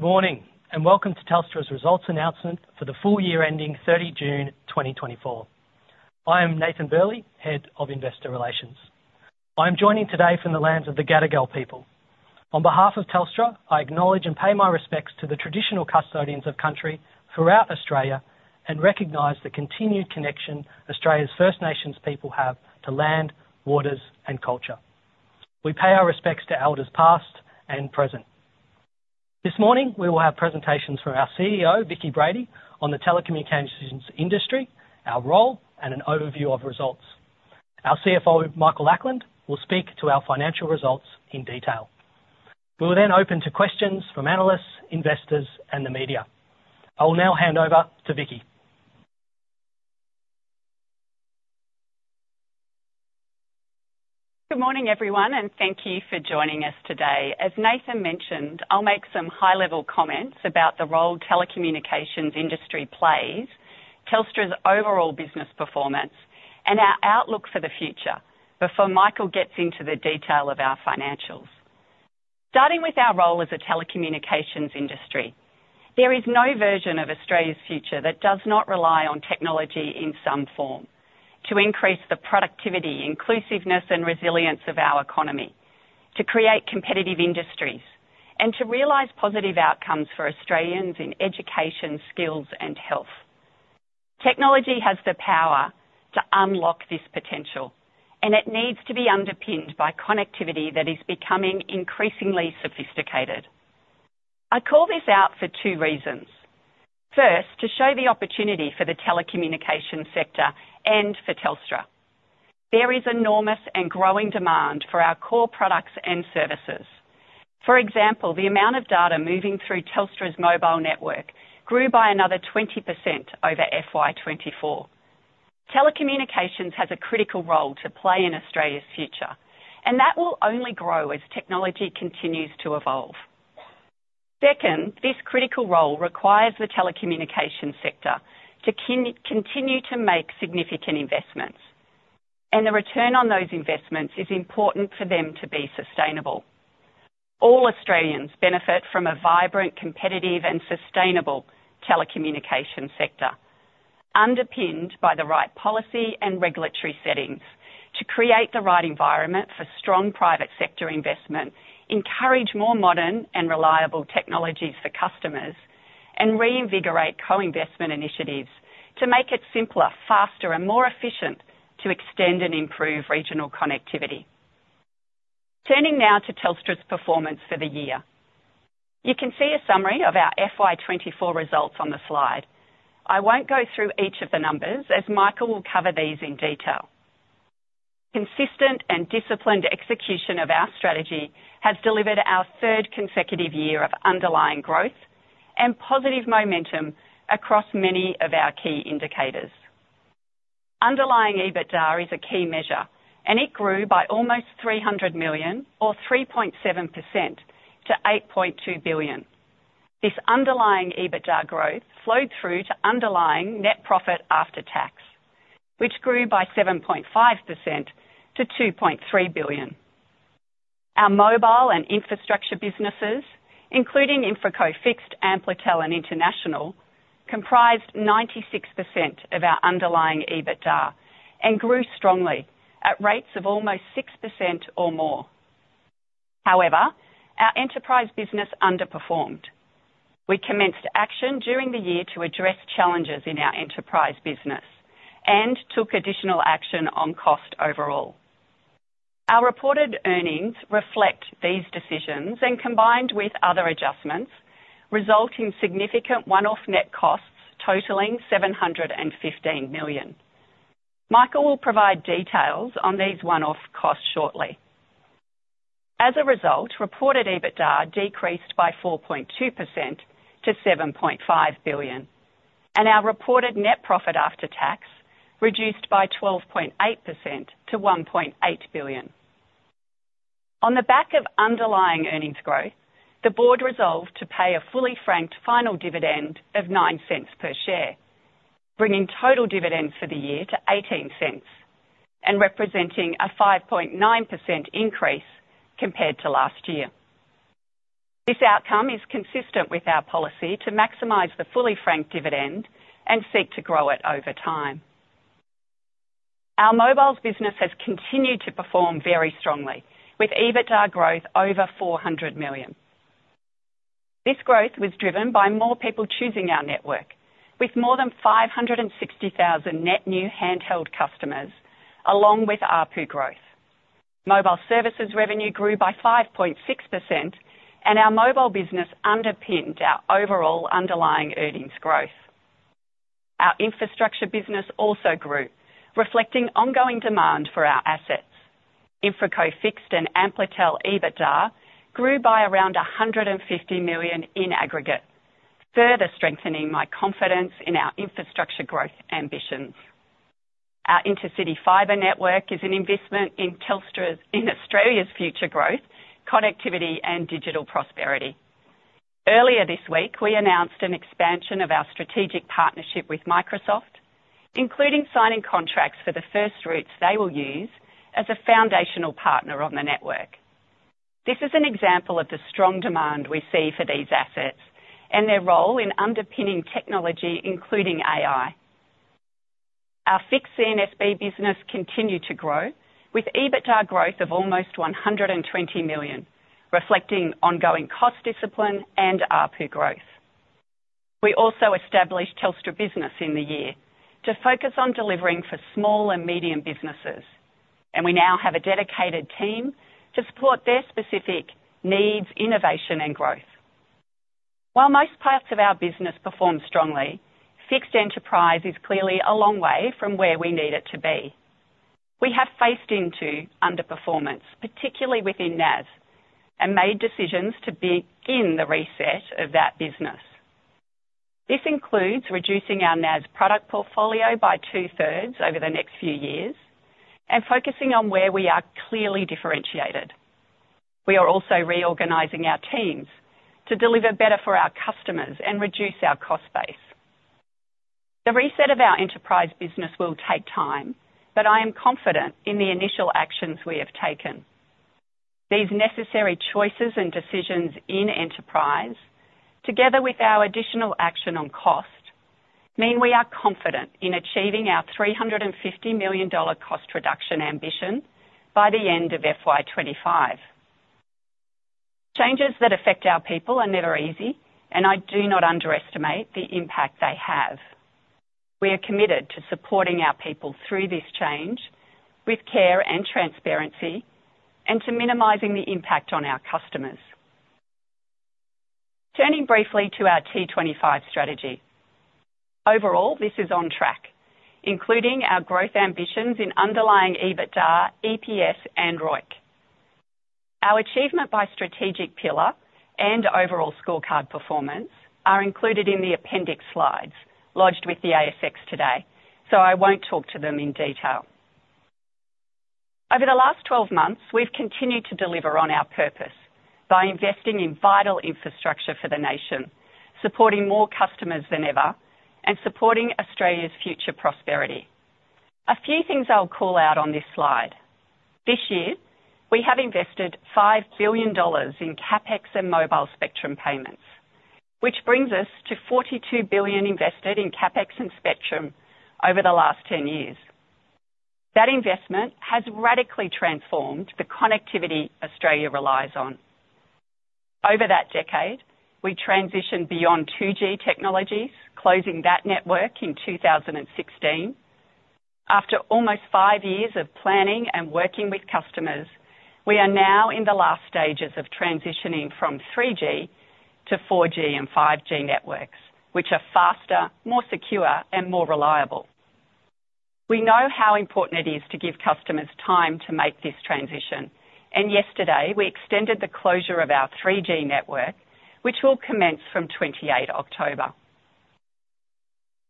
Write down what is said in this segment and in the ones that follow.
Good morning, and welcome to Telstra's results announcement for the full year ending 30 June 2024. I am Nathan Burley, head of Investor Relations. I'm joining today from the lands of the Gadigal people. On behalf of Telstra, I acknowledge and pay my respects to the traditional custodians of country throughout Australia, and recognize the continued connection Australia's First Nations people have to land, waters, and culture. We pay our respects to elders, past and present. This morning, we will have presentations from our CEO, Vicki Brady, on the telecommunications industry, our role, and an overview of results. Our CFO, Michael Ackland, will speak to our financial results in detail. We will then open to questions from analysts, investors, and the media. I will now hand over to Vicki. Good morning, everyone, and thank you for joining us today. As Nathan mentioned, I'll make some high-level comments about the role telecommunications industry plays, Telstra's overall business performance, and our outlook for the future before Michael gets into the detail of our financials. Starting with our role as a telecommunications industry, there is no version of Australia's future that does not rely on technology in some form to increase the productivity, inclusiveness, and resilience of our economy, to create competitive industries, and to realize positive outcomes for Australians in education, skills, and health. Technology has the power to unlock this potential, and it needs to be underpinned by connectivity that is becoming increasingly sophisticated. I call this out for two reasons. First, to show the opportunity for the telecommunication sector and for Telstra. There is enormous and growing demand for our core products and services. For example, the amount of data moving through Telstra's mobile network grew by another 20% over FY 2024. Telecommunications has a critical role to play in Australia's future, and that will only grow as technology continues to evolve. Second, this critical role requires the telecommunication sector to continue to make significant investments, and the return on those investments is important for them to be sustainable. All Australians benefit from a vibrant, competitive and sustainable telecommunication sector, underpinned by the right policy and regulatory settings, to create the right environment for strong private sector investment, encourage more modern and reliable technologies for customers, and reinvigorate co-investment initiatives to make it simpler, faster, and more efficient to extend and improve regional connectivity. Turning now to Telstra's performance for the year. You can see a summary of our FY 2024 results on the slide. I won't go through each of the numbers, as Michael will cover these in detail. Consistent and disciplined execution of our strategy has delivered our third consecutive year of underlying growth and positive momentum across many of our key indicators. Underlying EBITDA is a key measure, and it grew by almost 300 million or 3.7% to 8.2 billion. This underlying EBITDA growth flowed through to underlying net profit after tax, which grew by 7.5% to 2.3 billion. Our mobile and infrastructure businesses, including InfraCo Fixed, Amplitel, and International, comprised 96% of our underlying EBITDA and grew strongly at rates of almost 6% or more. However, our enterprise business underperformed. We commenced action during the year to address challenges in our enterprise business and took additional action on cost overall. Our reported earnings reflect these decisions and, combined with other adjustments, result in significant one-off net costs totaling 715 million. Michael will provide details on these one-off costs shortly. As a result, reported EBITDA decreased by 4.2% to 7.5 billion, and our reported net profit after tax reduced by 12.8% to 1.8 billion. On the back of underlying earnings growth, the board resolved to pay a fully franked final dividend of 0.09 per share, bringing total dividends for the year to 0.18 and representing a 5.9% increase compared to last year. This outcome is consistent with our policy to maximize the fully franked dividend and seek to grow it over time. Our mobiles business has continued to perform very strongly, with EBITDA growth over 400 million. This growth was driven by more people choosing our network, with more than 560,000 net new handheld customers, along with ARPU growth. Mobile services revenue grew by 5.6%, and our mobile business underpinned our overall underlying earnings growth. Our infrastructure business also grew, reflecting ongoing demand for our assets. InfraCo Fixed and Amplitel EBITDA grew by around 150 million in aggregate, further strengthening my confidence in our infrastructure growth ambitions. Our Intercity Fibre network is an investment in Telstra's in Australia's future growth, connectivity, and digital prosperity. Earlier this week, we announced an expansion of our strategic partnership with Microsoft, including signing contracts for the first routes they will use as a foundational partner on the network. This is an example of the strong demand we see for these assets and their role in underpinning technology, including AI. Our Fixed C&SB business continued to grow, with EBITDA growth of almost 120 million, reflecting ongoing cost discipline and ARPU growth. We also established Telstra Business in the year to focus on delivering for small and medium businesses, and we now have a dedicated team to support their specific needs, innovation, and growth. While most parts of our business performed strongly, Fixed Enterprise is clearly a long way from where we need it to be. We have faced into underperformance, particularly within NAS, and made decisions to begin the reset of that business. This includes reducing our NAS product portfolio by 2/3s over the next few years and focusing on where we are clearly differentiated. We are also reorganizing our teams to deliver better for our customers and reduce our cost base. The reset of our enterprise business will take time, but I am confident in the initial actions we have taken. These necessary choices and decisions in enterprise, together with our additional action on cost, mean we are confident in achieving our 350 million dollar cost reduction ambition by the end of FY 2025. Changes that affect our people are never easy, and I do not underestimate the impact they have. We are committed to supporting our people through this change with care and transparency and to minimizing the impact on our customers. Turning briefly to our T25 strategy. Overall, this is on track, including our growth ambitions in underlying EBITDA, EPS, and ROIC. Our achievement by strategic pillar and overall scorecard performance are included in the appendix slides lodged with the ASX today, so I won't talk to them in detail. Over the last 12 months, we've continued to deliver on our purpose by investing in vital infrastructure for the nation, supporting more customers than ever, and supporting Australia's future prosperity. A few things I'll call out on this slide. This year, we have invested 5 billion dollars in CapEx and mobile spectrum payments, which brings us to 42 billion invested in CapEx and spectrum over the last 10 years. That investment has radically transformed the connectivity Australia relies on. Over that decade, we transitioned beyond 2G technologies, closing that network in 2016. After almost 5 years of planning and working with customers, we are now in the last stages of transitioning from 3G to 4G and 5G networks, which are faster, more secure, and more reliable. We know how important it is to give customers time to make this transition, and yesterday we extended the closure of our 3G network, which will commence from 28 October.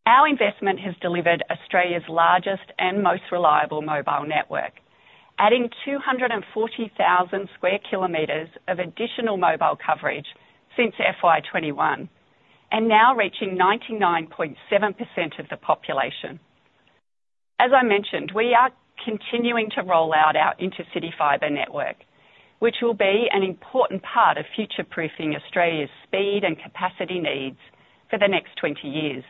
Our investment has delivered Australia's largest and most reliable mobile network, adding 240,000 square kilometers of additional mobile coverage since FY 2021, and now reaching 99.7% of the population. As I mentioned, we are continuing to roll out our Intercity Fibre network, which will be an important part of future-proofing Australia's speed and capacity needs for the next 20 years.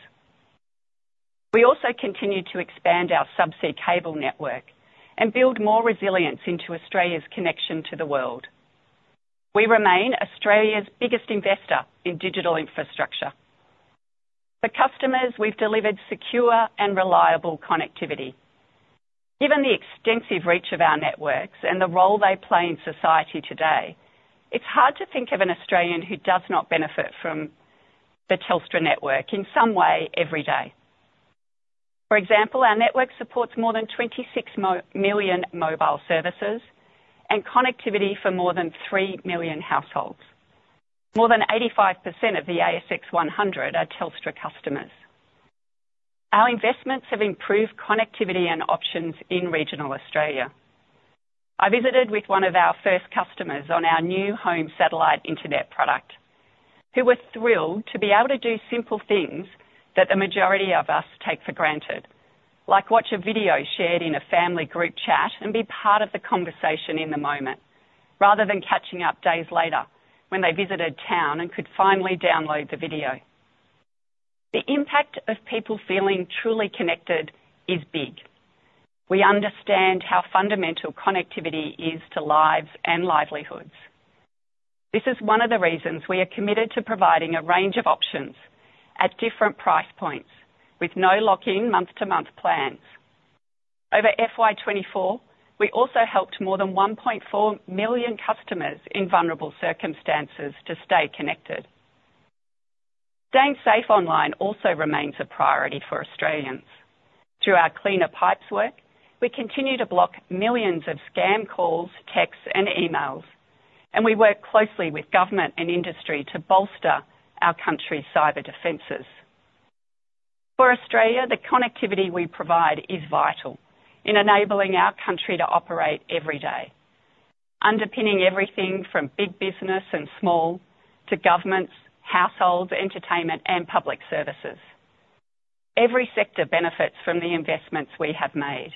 We also continue to expand our sub-sea cable network and build more resilience into Australia's connection to the world. We remain Australia's biggest investor in digital infrastructure. For customers, we've delivered secure and reliable connectivity. Given the extensive reach of our networks and the role they play in society today, it's hard to think of an Australian who does not benefit from the Telstra network in some way every day. For example, our network supports more than 26 million mobile services and connectivity for more than 3 million households. More than 85% of the ASX 100 are Telstra customers. Our investments have improved connectivity and options in regional Australia. I visited with one of our first customers on our new home satellite internet product, who were thrilled to be able to do simple things that the majority of us take for granted, like watch a video shared in a family group chat and be part of the conversation in the moment, rather than catching up days later when they visited town and could finally download the video. The impact of people feeling truly connected is big. We understand how fundamental connectivity is to lives and livelihoods. This is one of the reasons we are committed to providing a range of options at different price points with no lock-in, month-to-month plans. Over FY 2024, we also helped more than 1.4 million customers in vulnerable circumstances to stay connected. Staying safe online also remains a priority for Australians. Through our Cleaner Pipes work, we continue to block millions of scam calls, texts, and emails, and we work closely with government and industry to bolster our country's cyber defenses. For Australia, the connectivity we provide is vital in enabling our country to operate every day… underpinning everything from big business and small, to governments, households, entertainment, and public services. Every sector benefits from the investments we have made.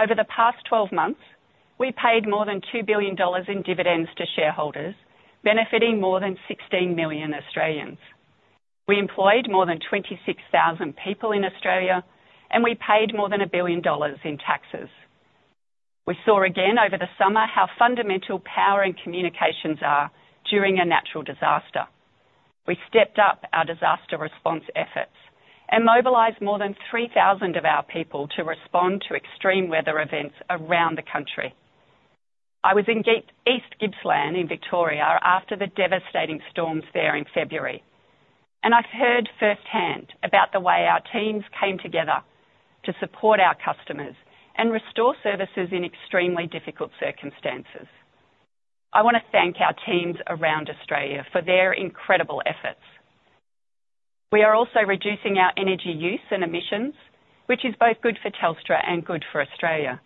Over the past 12 months, we paid more than 2 billion dollars in dividends to shareholders, benefiting more than 16 million Australians. We employed more than 26,000 people in Australia, and we paid more than 1 billion dollars in taxes. We saw again over the summer how fundamental power and communications are during a natural disaster. We stepped up our disaster response efforts and mobilized more than 3,000 of our people to respond to extreme weather events around the country. I was in East Gippsland in Victoria after the devastating storms there in February, and I've heard firsthand about the way our teams came together to support our customers and restore services in extremely difficult circumstances. I wanna thank our teams around Australia for their incredible efforts. We are also reducing our energy use and emissions, which is both good for Telstra and good for Australia,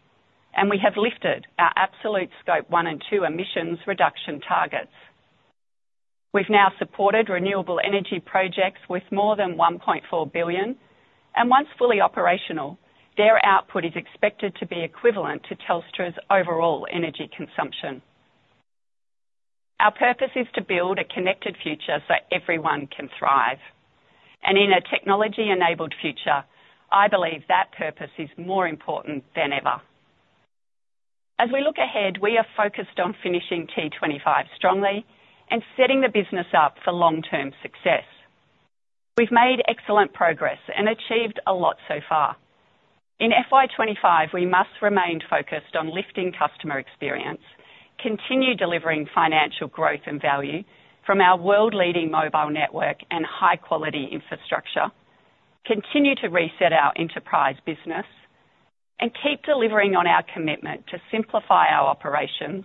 and we have lifted our absolute Scope 1 and 2 emissions reduction targets. We've now supported renewable energy projects worth more than 1.4 billion, and once fully operational, their output is expected to be equivalent to Telstra's overall energy consumption. Our purpose is to build a connected future so everyone can thrive, and in a technology-enabled future, I believe that purpose is more important than ever. As we look ahead, we are focused on finishing T25 strongly and setting the business up for long-term success. We've made excellent progress and achieved a lot so far. In FY 2025, we must remain focused on lifting customer experience, continue delivering financial growth and value from our world-leading mobile network and high-quality infrastructure, continue to reset our enterprise business, and keep delivering on our commitment to simplify our operations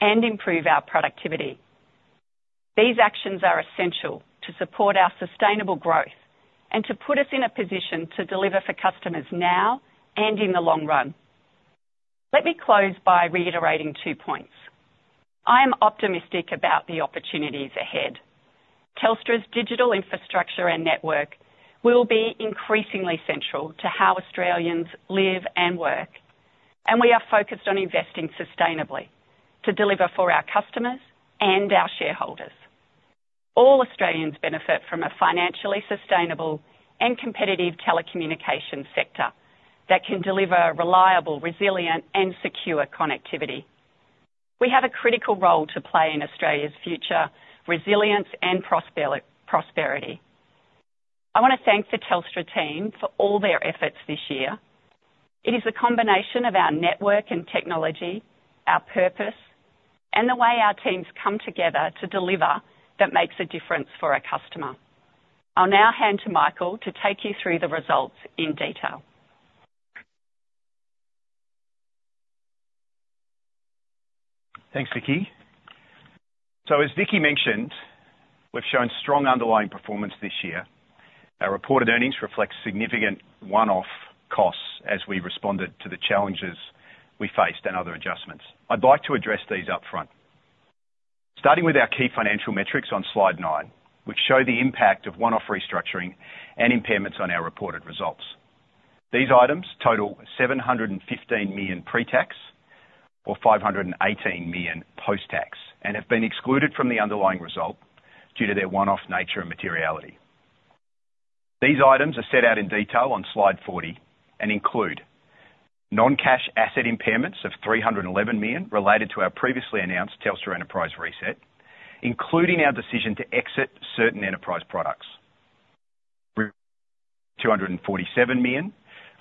and improve our productivity. These actions are essential to support our sustainable growth and to put us in a position to deliver for customers now and in the long run. Let me close by reiterating two points: I am optimistic about the opportunities ahead. Telstra's digital infrastructure and network will be increasingly central to how Australians live and work, and we are focused on investing sustainably to deliver for our customers and our shareholders. All Australians benefit from a financially sustainable and competitive telecommunication sector that can deliver reliable, resilient, and secure connectivity. We have a critical role to play in Australia's future resilience and prosperity. I wanna thank the Telstra team for all their efforts this year. It is a combination of our network and technology, our purpose, and the way our teams come together to deliver that makes a difference for our customer. I'll now hand to Michael to take you through the results in detail. Thanks, Vicki. So as Vicki mentioned, we've shown strong underlying performance this year. Our reported earnings reflect significant one-off costs as we responded to the challenges we faced and other adjustments. I'd like to address these upfront. Starting with our key financial metrics on slide nine, which show the impact of one-off restructuring and impairments on our reported results. These items total 715 million pre-tax, or 518 million post-tax, and have been excluded from the underlying result due to their one-off nature and materiality. These items are set out in detail on slide 40, and include non-cash asset impairments of 311 million related to our previously announced Telstra Enterprise reset, including our decision to exit certain enterprise products. 247 million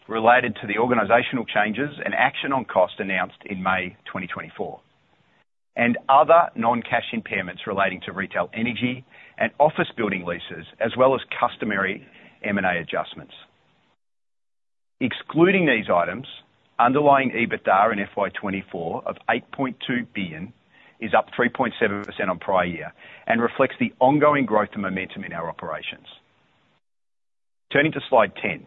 related to the organizational changes and action on costs announced in May 2024, and other non-cash impairments relating to retail energy and office building leases, as well as customary M&A adjustments. Excluding these items, underlying EBITDA in FY 2024 of 8.2 billion is up 3.7% on prior year and reflects the ongoing growth and momentum in our operations. Turning to slide 10,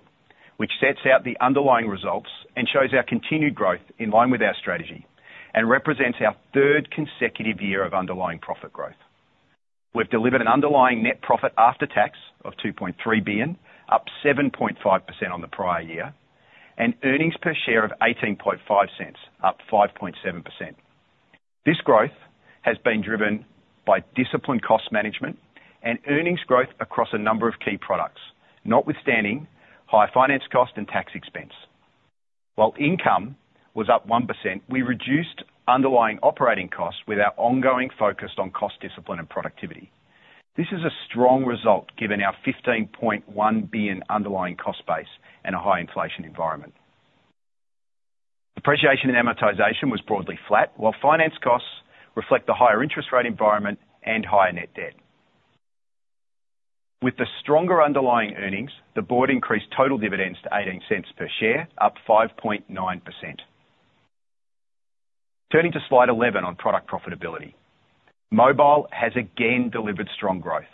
which sets out the underlying results and shows our continued growth in line with our strategy and represents our third consecutive year of underlying profit growth. We've delivered an underlying net profit after tax of AUD 2.3 billion, up 7.5% on the prior year, and earnings per share of 0.185, up 5.7%. This growth has been driven by disciplined cost management and earnings growth across a number of key products, notwithstanding high finance cost and tax expense. While income was up 1%, we reduced underlying operating costs with our ongoing focus on cost, discipline, and productivity. This is a strong result, given our 15.1 billion underlying cost base and a high inflation environment. Depreciation and amortization was broadly flat, while finance costs reflect the higher interest rate environment and higher net debt. With the stronger underlying earnings, the board increased total dividends to 0.18 per share, up 5.9%. Turning to slide 11 on product profitability. Mobile has again delivered strong growth,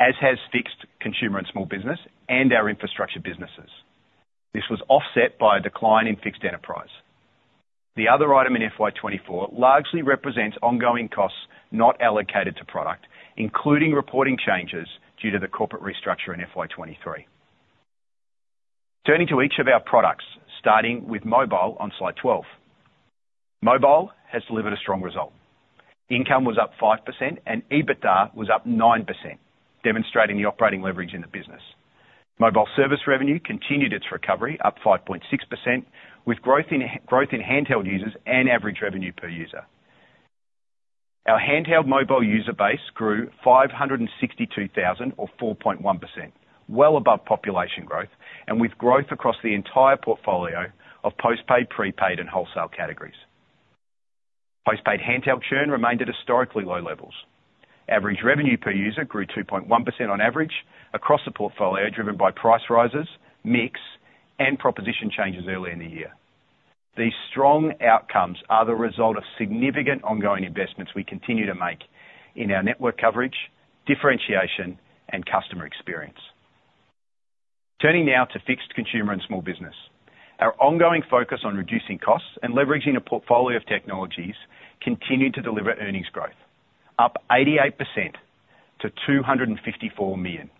as has Fixed Consumer and Small Business and our infrastructure businesses. This was offset by a decline in fixed enterprise. The other item in FY 2024 largely represents ongoing costs not allocated to product, including reporting changes due to the corporate restructure in FY 2023. Turning to each of our products, starting with mobile on slide 12. Mobile has delivered a strong result. Income was up 5%, and EBITDA was up 9%, demonstrating the operating leverage in the business. Mobile service revenue continued its recovery, up 5.6%, with growth in handheld users and average revenue per user. Our handheld mobile user base grew 562,000 or 4.1%, well above population growth, and with growth across the entire portfolio of post-paid, pre-paid, and wholesale categories. Post-paid handheld churn remained at historically low levels. Average revenue per user grew 2.1% on average across the portfolio, driven by price rises, mix, and proposition changes early in the year. These strong outcomes are the result of significant ongoing investments we continue to make in our network coverage, differentiation, and customer experience. Turning now to Fixed Consumer and Small Business. Our ongoing focus on reducing costs and leveraging a portfolio of technologies continued to deliver earnings growth, up 88% to 254 million.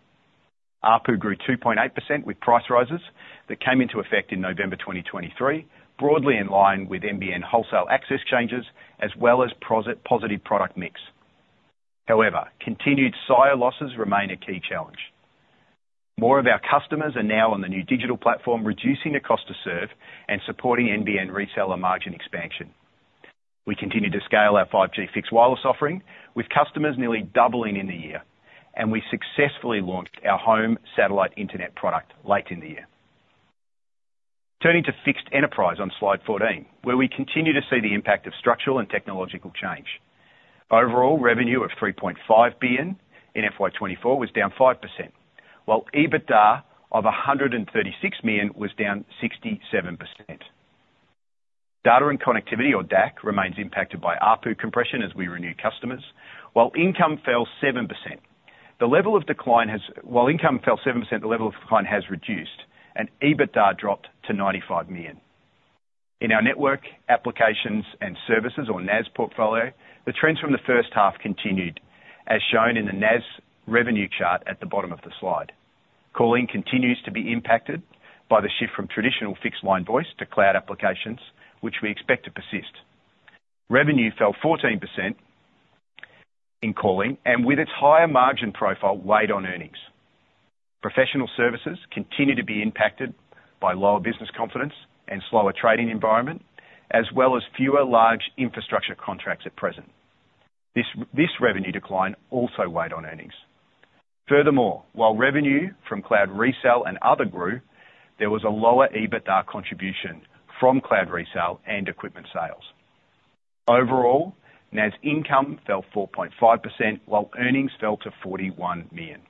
ARPU grew 2.8% with price rises that came into effect in November 2023, broadly in line with NBN wholesale access changes, as well as positive product mix. However, continued churn losses remain a key challenge. More of our customers are now on the new digital platform, reducing the cost to serve and supporting NBN reseller margin expansion. We continue to scale our 5G fixed wireless offering, with customers nearly doubling in the year, and we successfully launched our home satellite internet product late in the year. Turning to fixed enterprise on slide 14, where we continue to see the impact of structural and technological change. Overall, revenue of 3.5 billion in FY 2024 was down 5%, while EBITDA of 136 million was down 67%. Data and connectivity, or DAC, remains impacted by ARPU compression as we renew customers. While income fell 7%, the level of decline has reduced, and EBITDA dropped to 95 million. In our network, applications, and services, or NAS portfolio, the trends from the first half continued, as shown in the NAS revenue chart at the bottom of the slide. Calling continues to be impacted by the shift from traditional fixed-line voice to cloud applications, which we expect to persist. Revenue fell 14% in calling, and with its higher margin profile, weighed on earnings. Professional services continue to be impacted by lower business confidence and slower trading environment, as well as fewer large infrastructure contracts at present. This revenue decline also weighed on earnings. Furthermore, while revenue from cloud resale and other grew, there was a lower EBITDA contribution from cloud resale and equipment sales. Overall, NAS income fell 4.5%, while earnings fell to 41 million.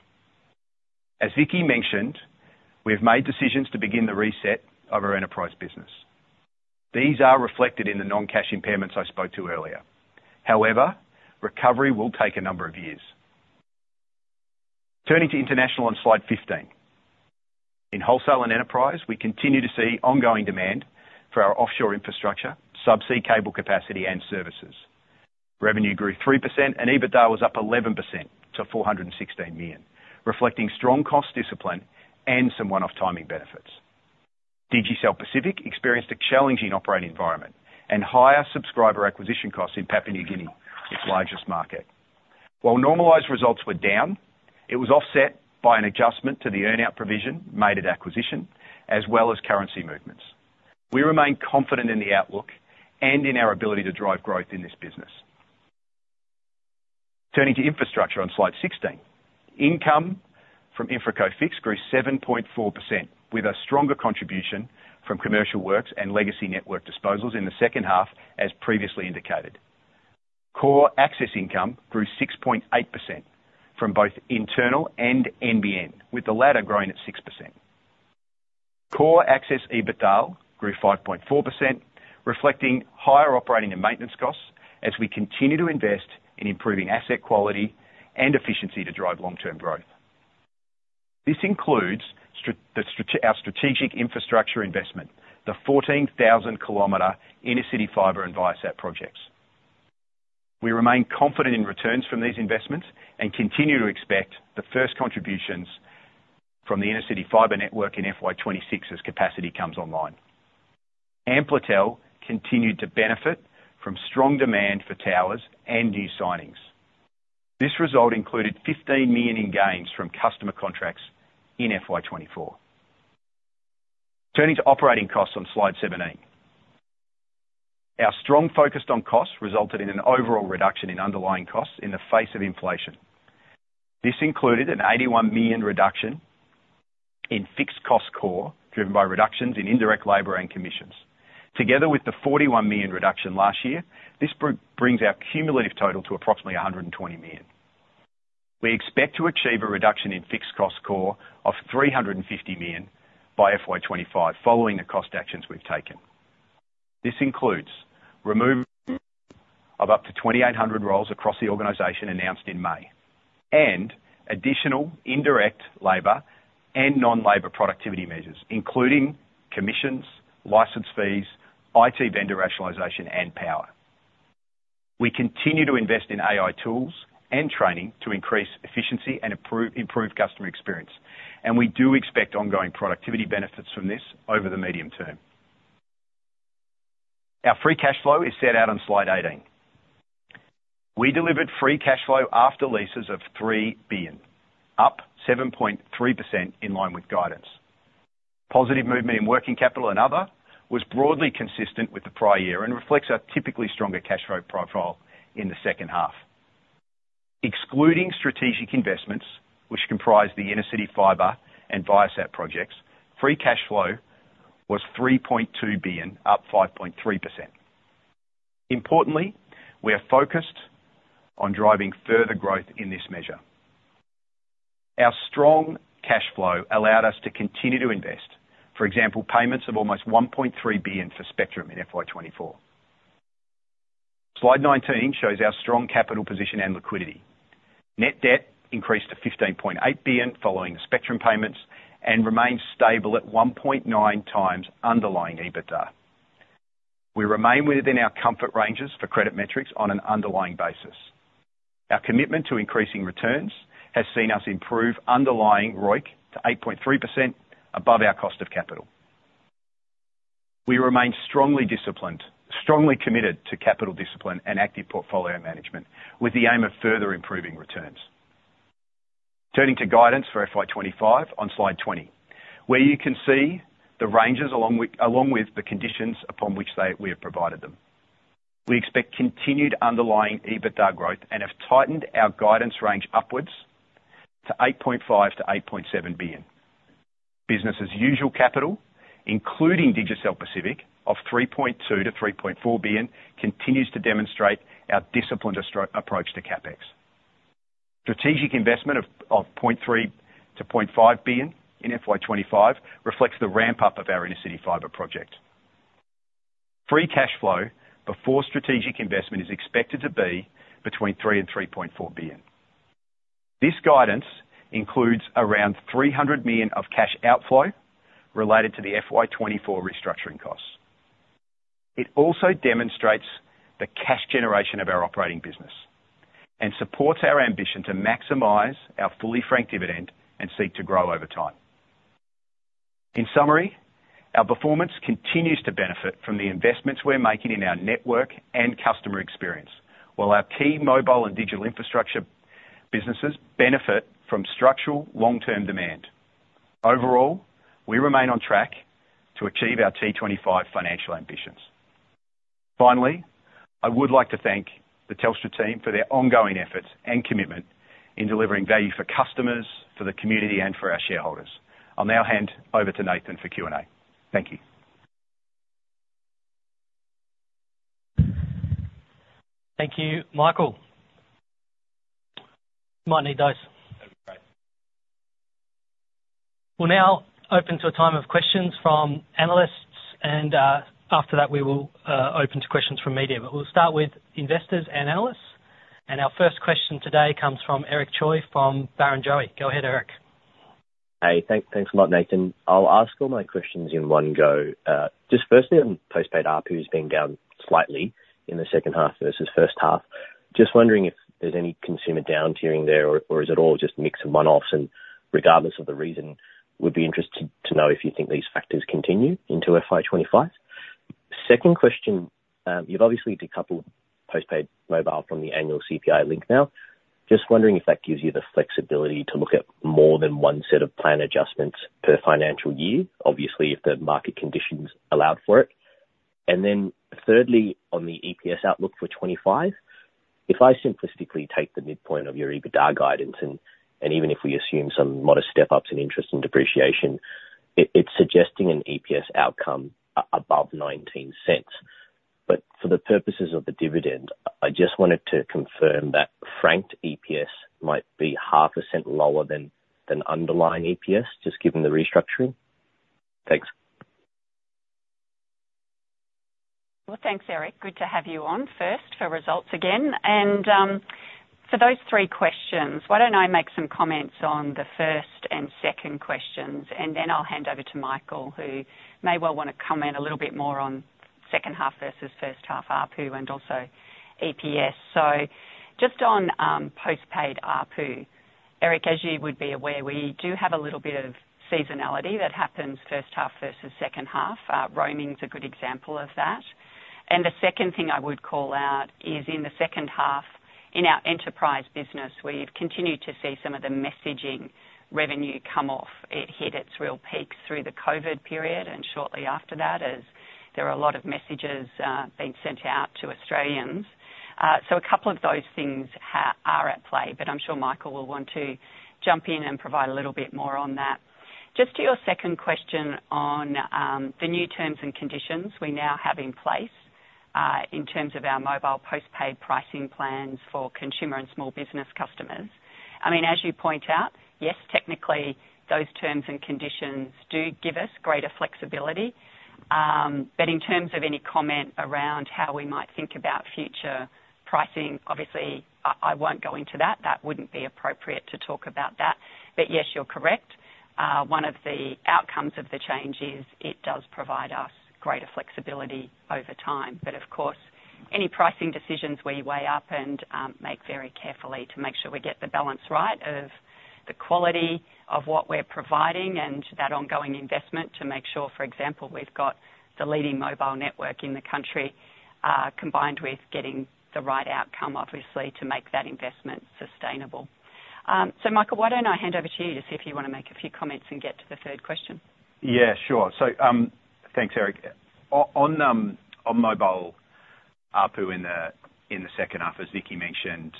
As Vicki mentioned, we have made decisions to begin the reset of our enterprise business. These are reflected in the non-cash impairments I spoke to earlier. However, recovery will take a number of years. Turning to international on slide 15. In wholesale and enterprise, we continue to see ongoing demand for our offshore infrastructure, sub-sea cable capacity, and services. Revenue grew 3%, and EBITDA was up 11% to 416 million, reflecting strong cost discipline and some one-off timing benefits. Digicel Pacific experienced a challenging operating environment and higher subscriber acquisition costs in Papua New Guinea, its largest market. While normalized results were down, it was offset by an adjustment to the earn-out provision made at acquisition, as well as currency movements. We remain confident in the outlook and in our ability to drive growth in this business. Turning to infrastructure on slide 16. Income from InfraCo Fixed grew 7.4%, with a stronger contribution from commercial works and legacy network disposals in the second half, as previously indicated. Core access income grew 6.8% from both internal and NBN, with the latter growing at 6%. Core access EBITDA grew 5.4%, reflecting higher operating and maintenance costs as we continue to invest in improving asset quality and efficiency to drive long-term growth. This includes our strategic infrastructure investment, the 14,000-kilometer Intercity Fibre and Viasat projects. We remain confident in returns from these investments and continue to expect the first contributions from the Intercity Fibre network in FY 2026 as capacity comes online. Amplitel continued to benefit from strong demand for towers and new signings. This result included 15 million in gains from customer contracts in FY 2024. Turning to operating costs on slide 17. Our strong focus on costs resulted in an overall reduction in underlying costs in the face of inflation. This included an 81 million reduction in Fixed Cost Core, driven by reductions in indirect labor and commissions. Together with the 41 million reduction last year, this brings our cumulative total to approximately 120 million. We expect to achieve a reduction in Fixed Cost Core of 350 million by FY 2025, following the cost actions we've taken. This includes removal of up to 2,800 roles across the organization announced in May, and additional indirect labor and non-labor productivity measures, including commissions, license fees, IT vendor rationalization, and power. We continue to invest in AI tools and training to increase efficiency and improve customer experience, and we do expect ongoing productivity benefits from this over the medium term. Our free cash flow is set out on slide 18. We delivered free cash flow after leases of 3 billion, up 7.3% in line with guidance. Positive movement in working capital and other was broadly consistent with the prior year and reflects our typically stronger cash flow profile in the second half. Excluding strategic investments, which comprise the Intercity Fibre and Viasat projects, free cash flow was 3.2 billion, up 5.3%. Importantly, we are focused on driving further growth in this measure. Our strong cash flow allowed us to continue to invest, for example, payments of almost 1.3 billion for spectrum in FY 2024. Slide 19 shows our strong capital position and liquidity. Net debt increased to 15.8 billion, following the spectrum payments, and remains stable at 1.9x underlying EBITDA. We remain within our comfort ranges for credit metrics on an underlying basis. Our commitment to increasing returns has seen us improve underlying ROIC to 8.3% above our cost of capital. We remain strongly disciplined, strongly committed to capital discipline and active portfolio management, with the aim of further improving returns. Turning to guidance for FY 2025 on slide 20, where you can see the ranges along with the conditions upon which they we have provided them. We expect continued underlying EBITDA growth and have tightened our guidance range upwards to 8.5 billion-8.7 billion. Business as usual capital, including Digicel Pacific of 3.2 billion-3.4 billion, continues to demonstrate our disciplined asset approach to CapEx. Strategic investment of point three to point five billion in FY 2025 reflects the ramp-up of our Intercity Fibre project. Free cash flow before strategic investment is expected to be between 3 billion and 3.4 billion. This guidance includes around 300 million of cash outflow related to the FY 2024 restructuring costs. It also demonstrates the cash generation of our operating business and supports our ambition to maximize our fully franked dividend and seek to grow over time. In summary, our performance continues to benefit from the investments we're making in our network and customer experience, while our key mobile and digital infrastructure businesses benefit from structural long-term demand. Overall, we remain on track to achieve our T25 financial ambitions. Finally, I would like to thank the Telstra team for their ongoing efforts and commitment in delivering value for customers, for the community, and for our shareholders. I'll now hand over to Nathan for Q&A. Thank you. Thank you, Michael. Might need those. That'd be great. We'll now open to a time of questions from analysts, and, after that, we will open to questions from media. But we'll start with investors and analysts, and our first question today comes from Eric Choi from Barrenjoey. Go ahead, Eric. Hey, thanks a lot, Nathan. I'll ask all my questions in one go. Just firstly, on postpaid ARPU has been down slightly in the second half versus first half. Just wondering if there's any consumer down-tiering there, or is it all just mix of one-offs? And regardless of the reason, would be interested to know if you think these factors continue into FY 2025. Second question, you've obviously decoupled postpaid mobile from the annual CPI link now. Just wondering if that gives you the flexibility to look at more than one set of plan adjustments per financial year, obviously, if the market conditions allowed for it. Then thirdly, on the EPS outlook for 2025, if I simplistically take the midpoint of your EBITDA guidance, and even if we assume some modest step-ups in interest and depreciation, it's suggesting an EPS outcome above 0.19. But for the purposes of the dividend, I just wanted to confirm that franked EPS might be 0.5% lower than underlying EPS, just given the restructuring. Thanks. Well, thanks, Eric. Good to have you on first for results again. And, for those three questions, why don't I make some comments on the first and second questions, and then I'll hand over to Michael, who may well want to comment a little bit more on second half versus first half ARPU and also EPS. So just on postpaid ARPU, Eric, as you would be aware, we do have a little bit of seasonality that happens first half versus second half. Roaming's a good example of that. And the second thing I would call out is, in the second half, in our enterprise business, we've continued to see some of the messaging revenue come off. It hit its real peaks through the COVID period and shortly after that, as there were a lot of messages being sent out to Australians. So a couple of those things are at play, but I'm sure Michael will want to jump in and provide a little bit more on that. Just to your second question on the new terms and conditions we now have in place in terms of our mobile post-paid pricing plans for consumer and small business customers. I mean, as you point out, yes, technically, those terms and conditions do give us greater flexibility. But in terms of any comment around how we might think about future pricing, obviously, I won't go into that. That wouldn't be appropriate to talk about that. But yes, you're correct. One of the outcomes of the change is it does provide us greater flexibility over time. But of course, any pricing decisions we weigh up and make very carefully to make sure we get the balance right of the quality of what we're providing, and that ongoing investment to make sure, for example, we've got the leading mobile network in the country, combined with getting the right outcome, obviously, to make that investment sustainable. So Michael, why don't I hand over to you to see if you wanna make a few comments and get to the third question? Yeah, sure. So, thanks, Eric. On mobile ARPU in the second half, as Vicki mentioned,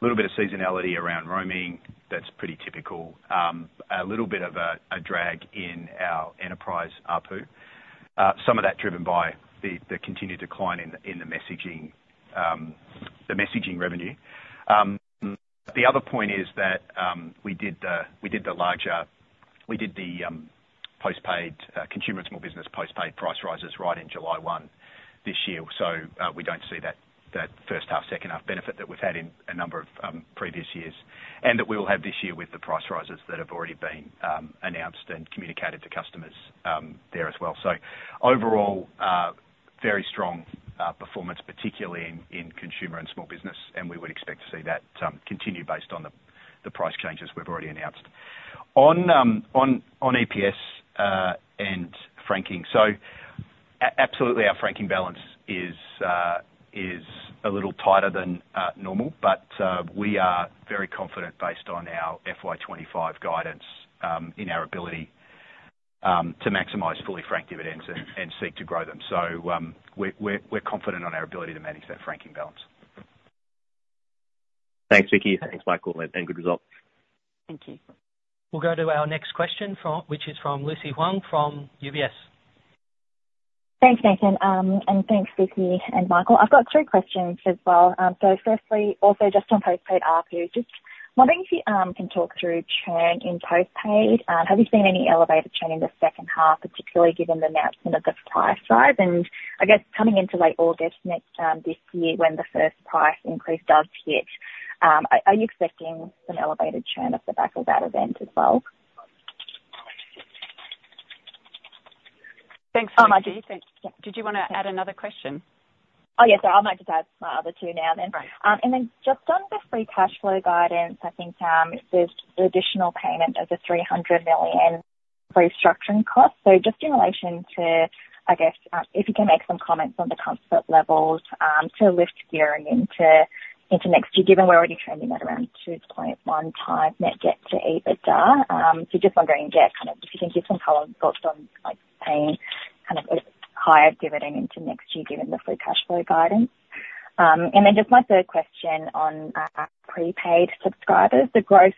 little bit of seasonality around roaming. That's pretty typical. A little bit of a drag in our enterprise ARPU. Some of that driven by the continued decline in the messaging revenue. The other point is that we did the post-paid consumer and small business post-paid price rises right in July 1 this year. So, we don't see that first half, second half benefit that we've had in a number of previous years, and that we will have this year with the price rises that have already been announced and communicated to customers there as well. So overall, very strong performance, particularly in consumer and small business, and we would expect to see that continue based on the price changes we've already announced. On EPS and franking. So absolutely, our franking balance is a little tighter than normal, but we are very confident based on our FY 2025 guidance, in our ability to maximize fully franked dividends and seek to grow them. So, we're confident on our ability to manage that franking balance. Thanks, Vicki. Thanks, Michael, and good results. Thank you. We'll go to our next question, which is from Lucy Huang from UBS. Thanks, Nathan. Thanks, Vicki and Michael. I've got three questions as well. First, also just on post-paid ARPU, just wondering if you can talk through churn in post-paid. Have you seen any elevated churn in the second half, particularly given the announcement of the price rise? And I guess coming into late August next this year when the first price increase does hit, are you expecting an elevated churn off the back of that event as well? Thanks, Lucy. Did you want to add another question? Oh, yes. So I might just add my other two now then. Right. And then just on the free cash flow guidance, I think, there's additional payment of the 300 million restructuring cost. So just in relation to, I guess, if you can make some comments on the comfort levels to lift gearing into next year, given we're already trending at around 2.1x net debt to EBITDA. So just wondering, yeah, kind of if you can give some thoughts on like paying kind of a higher dividend into next year, given the free cash flow guidance? And then just my third question on our prepaid subscribers. The growth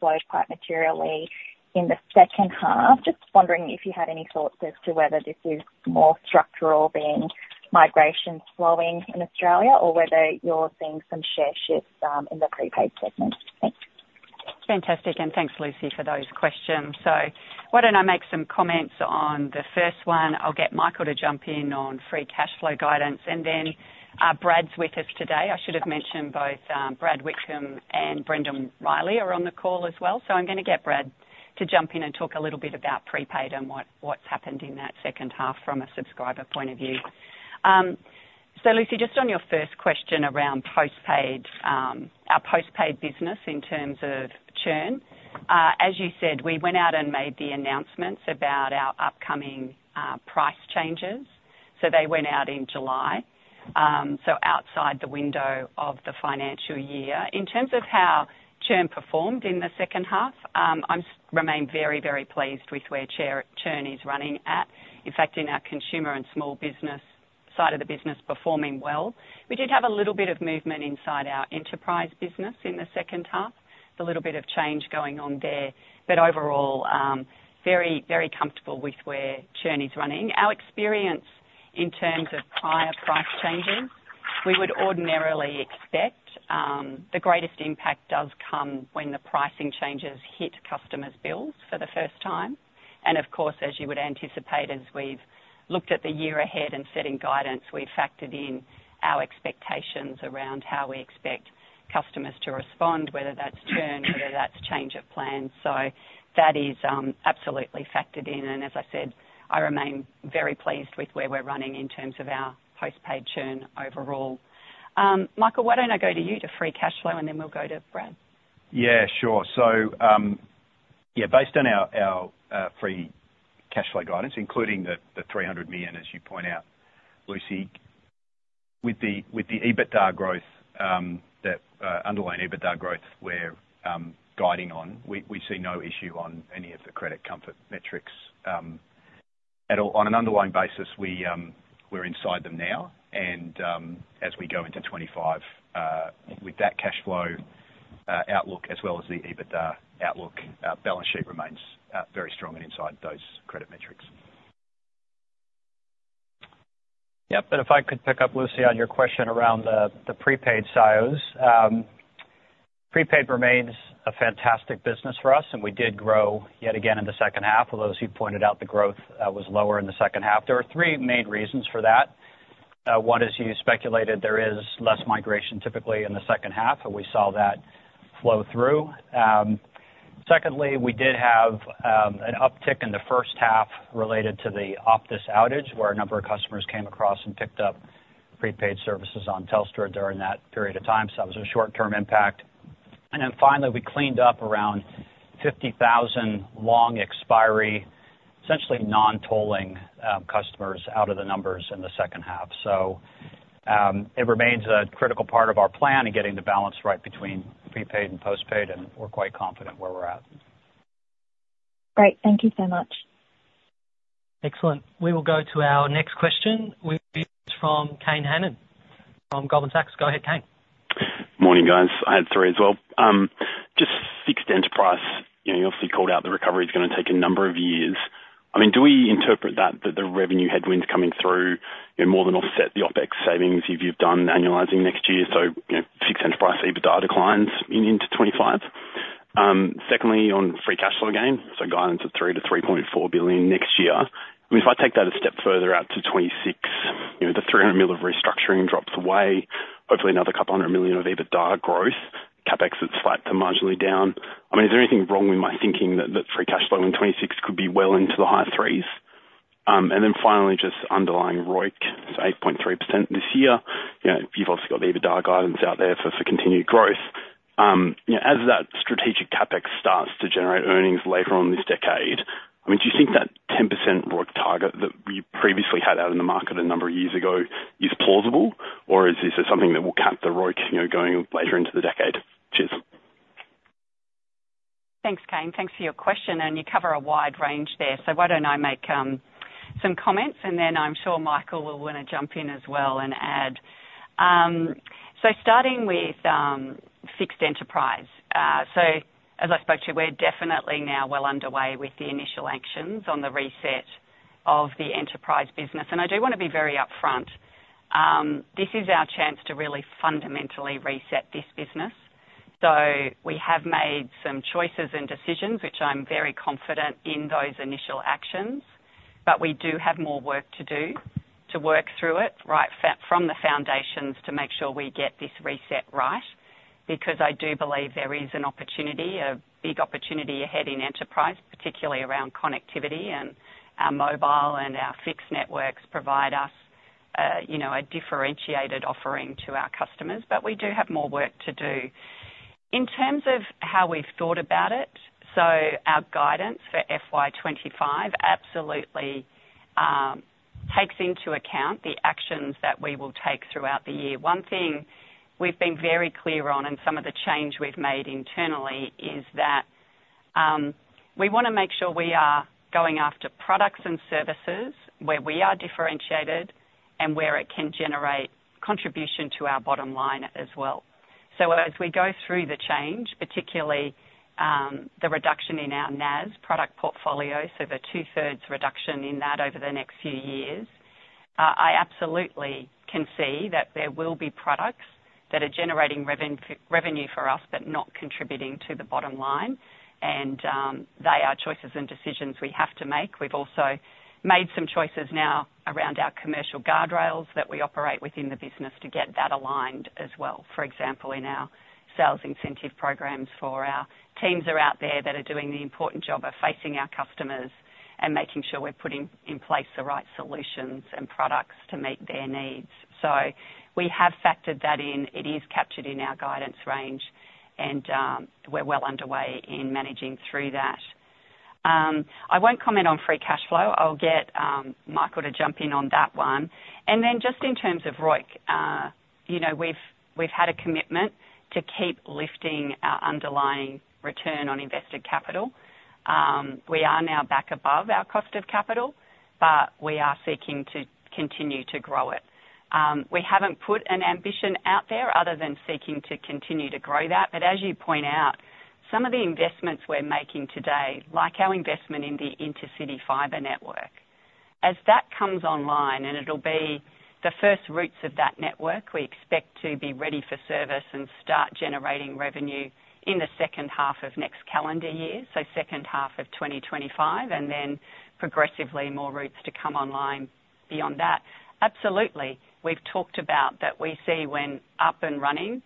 slowed quite materially in the second half. Just wondering if you had any thoughts as to whether this is more structural being migrations slowing in Australia, or whether you're seeing some share shifts in the prepaid segment. Thanks. Fantastic, and thanks, Lucy, for those questions. So why don't I make some comments on the first one? I'll get Michael to jump in on free cash flow guidance, and then, Brad's with us today. I should have mentioned both, Brad Whitcomb and Brendan Riley are on the call as well. So I'm going to get Brad to jump in and talk a little bit about prepaid and what's happened in that second half from a subscriber point of view. So Lucy, just on your first question around post-paid, our post-paid business in terms of churn. As you said, we went out and made the announcements about our upcoming price changes, so they went out in July. So outside the window of the financial year. In terms of how churn performed in the second half, I remain very, very pleased with where churn is running at. In fact, in our consumer and small business side of the business, performing well. We did have a little bit of movement inside our enterprise business in the second half, a little bit of change going on there, but overall, very, very comfortable with where churn is running. Our experience in terms of prior price changes, we would ordinarily expect, the greatest impact does come when the pricing changes hit customers' bills for the first time. Of course, as you would anticipate, as we've looked at the year ahead and setting guidance, we've factored in our expectations around how we expect customers to respond, whether that's churn, whether that's change of plan. So that is, absolutely factored in, and as I said, I remain very pleased with where we're running in terms of our post-paid churn overall. Michael, why don't I go to you to free cash flow, and then we'll go to Brad? Yeah, sure. So, yeah, based on our free cash flow guidance, including the 300 million, as you point out, Lucy, with the EBITDA growth, that underlying EBITDA growth we're guiding on, we see no issue on any of the credit comfort metrics. On an underlying basis, we're inside them now, and as we go into 2025, with that cash flow outlook as well as the EBITDA outlook. Our balance sheet remains, very strong and inside those credit metrics. Yeah, and if I could pick up, Lucy, on your question around the prepaid SIMs. Prepaid remains a fantastic business for us, and we did grow yet again in the second half, although as you pointed out, the growth was lower in the second half. There are three main reasons for that. One, as you speculated, there is less migration typically in the second half, and we saw that flow through. Second, we did have an uptick in the first half related to the Optus outage, where a number of customers came across and picked up prepaid services on Telstra during that period of time. So that was a short-term impact. And then finally, we cleaned up around 50,000 long expiry, essentially non-tolling, customers out of the numbers in the second half. It remains a critical part of our plan in getting the balance right between prepaid and postpaid, and we're quite confident where we're at. Great. Thank you so much. Excellent. We will go to our next question, which is from Kane Hannan from Goldman Sachs. Go ahead, Kane. Morning, guys. I had three as well. Just fixed enterprise. You know, you obviously called out the recovery is go take a number of years. I mean, do we interpret that, that the revenue headwinds coming through more than offset the OpEx savings if you've done annualizing next year, so, you know, fixed enterprise EBITDA declines into 2025? Secondly, on free cash flow guidance of 3 billion-3.4 billion next year, I mean, if I take that a step further out to 2026, you know, the 300 mil of restructuring drops away, hopefully another couple hundred million of EBITDA growth, CapEx is flat to marginally down. I mean, is there anything wrong with my thinking that, that free cash flow in 2026 could be well into the high threes? And then finally, just underlying ROIC, so 8.3% this year. You know, you've also got the EBITDA guidance out there for continued growth. You know, as that strategic CapEx starts to generate earnings later on this decade, I mean, do you think that 10% ROIC target that you previously had out in the market a number of years ago is plausible, or is this something that will cap the ROIC, you know, going later into the decade? Cheers. Thanks, Kane. Thanks for your question, and you cover a wide range there. So why don't I make some comments, and then I'm sure Michael will want to jump in as well and add. So starting with fixed enterprise. So as I spoke to you, we're definitely now well underway with the initial actions on the reset of the enterprise business. And I do want to be very upfront. This is our chance to really fundamentally reset this business. So we have made some choices and decisions, which I'm very confident in those initial actions, but we do have more work to do to work through it, right, from the foundations to make sure we get this reset right, because I do believe there is an opportunity, a big opportunity ahead in enterprise, particularly around connectivity and our mobile and our fixed networks provide us, you know, a differentiated offering to our customers. But we do have more work to do. In terms of how we've thought about it, so our guidance for FY 2025 absolutely takes into account the actions that we will take throughout the year. One thing we've been very clear on, and some of the change we've made internally, is that we want to make sure we are going after products and services where we are differentiated and where it can generate contribution to our bottom line as well. So as we go through the change, particularly the reduction in our NAS product portfolio, so the 2/3s reduction in that over the next few years, I absolutely can see that there will be products that are generating revenue for us, but not contributing to the bottom line. And they are choices and decisions we have to make. We've also made some choices now around our commercial guardrails that we operate within the business to get that aligned as well. For example, in our sales incentive programs for our teams are out there that are doing the important job of facing our customers and making sure we're putting in place the right solutions and products to meet their needs. So we have factored that in. It is captured in our guidance range, and we're well underway in managing through that. I won't comment on free cash flow. I'll get Michael to jump in on that one. And then just in terms of ROIC, you know, we've had a commitment to keep lifting our underlying return on invested capital. We are now back above our cost of capital, but we are seeking to continue to grow it. We haven't put an ambition out there other than seeking to continue to grow that, but as you point out, some of the investments we're making today, like our investment in the Intercity Fibre network, as that comes online, and it'll be the first routes of that network, we expect to be ready for service and start generating revenue in the second half of next calendar year, so second half of 2025, and then progressively more routes to come online beyond that. Absolutely, we've talked about that we see when up and running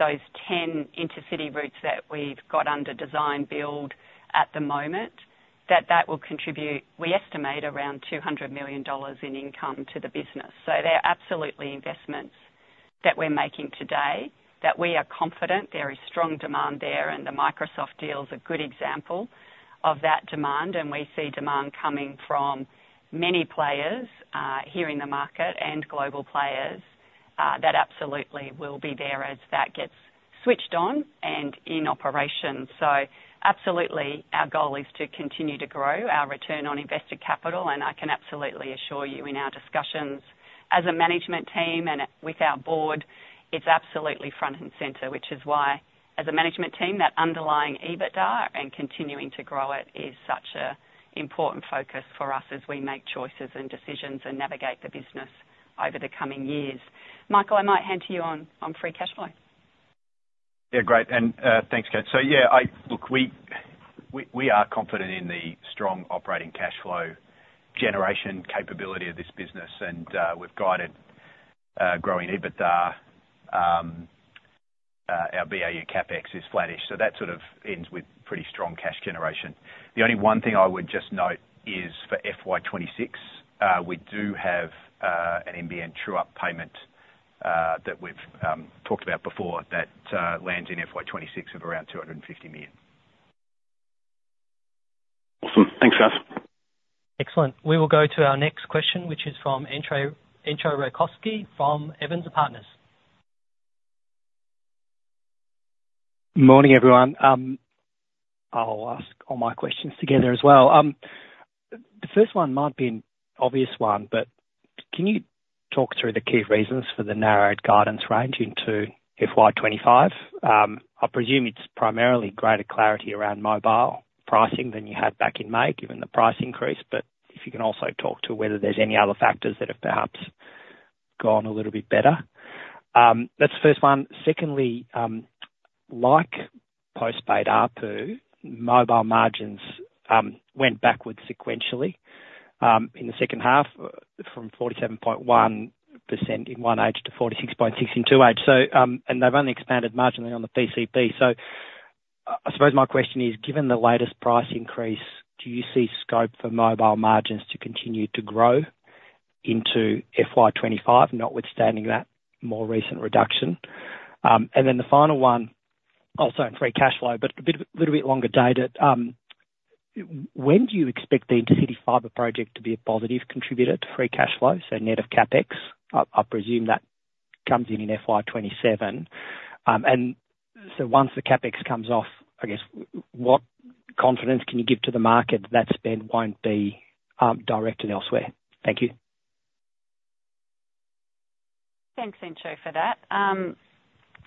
those 10 Intercity routes that we've got under design build at the moment, that that will contribute, we estimate, around 200 million dollars in income to the business. So they're absolutely investments that we're making today, that we are confident there is strong demand there, and the Microsoft deal is a good example of that demand. And we see demand coming from many players here in the market and global players that absolutely will be there as that gets switched on and in operation. So absolutely, our goal is to continue to grow our return on invested capital, and I can absolutely assure you in our discussions as a management team and with our board, it's absolutely front and center, which is why, as a management team, that underlying EBITDA and continuing to grow it is such an important focus for us as we make choices and decisions and navigate the business over the coming years. Michael, I might hand to you on free cash flow. Yeah, great. And, thanks, Kate. So yeah, look, we are confident in the strong operating cash flow generation capability of this business, and, we've guided, growing EBITDA. Our BAU CapEx is flattish, so that sort of ends with pretty strong cash generation. The only one thing I would just note is for FY 2026, we do have, an NBN true-up payment, that we've, talked about before that, lands in FY 2026 of around 250 million. Awesome. Thanks, guys. Excellent. We will go to our next question, which is from Entcho Raykovski from Evans and Partners. Morning, everyone. I'll ask all my questions together as well. The first one might be an obvious one, but can you talk through the key reasons for the narrowed guidance range into FY 2025? I presume it's primarily greater clarity around mobile pricing than you had back in May, given the price increase. But if you can also talk to whether there's any other factors that have perhaps gone a little bit better. That's the first one. Secondly, like postpaid ARPU, mobile margins, went backwards sequentially, in the second half, from 47.1% in 1H to 46.6% in 2H. So, and they've only expanded marginally on the PCP. So I suppose my question is, given the latest price increase, do you see scope for mobile margins to continue to grow into FY 2025, notwithstanding that more recent reduction? And then the final one, also in free cash flow, but a little bit longer dated. When do you expect the Intercity Fibre project to be a positive contributor to free cash flow, so net of CapEx? I presume that comes in in FY 2027. And so once the CapEx comes off, I guess, what confidence can you give to the market that spend won't be directed elsewhere? Thank you. Thanks, Entcho, for that.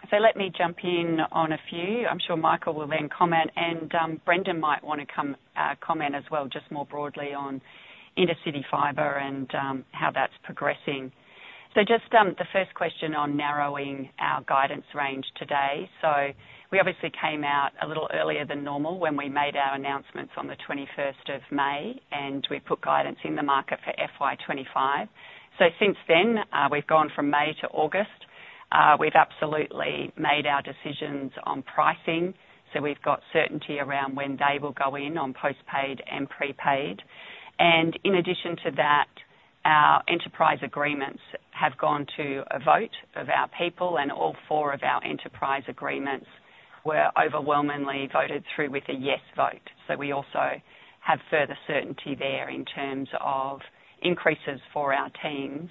So let me jump in on a few. I'm sure Michael will then comment, and Brendan might wanna come comment as well, just more broadly on Intercity Fibre and how that's progressing. So just the first question on narrowing our guidance range today. So we obviously came out a little earlier than normal when we made our announcements on the 21st of May, and we put guidance in the market for FY 2025. So since then, we've gone from May to August. We've absolutely made our decisions on pricing, so we've got certainty around when they will go in on postpaid and prepaid. And in addition to that, our enterprise agreements have gone to a vote of our people, and all four of our enterprise agreements were overwhelmingly voted through with a "yes" vote. So we also have further certainty there in terms of increases for our teams,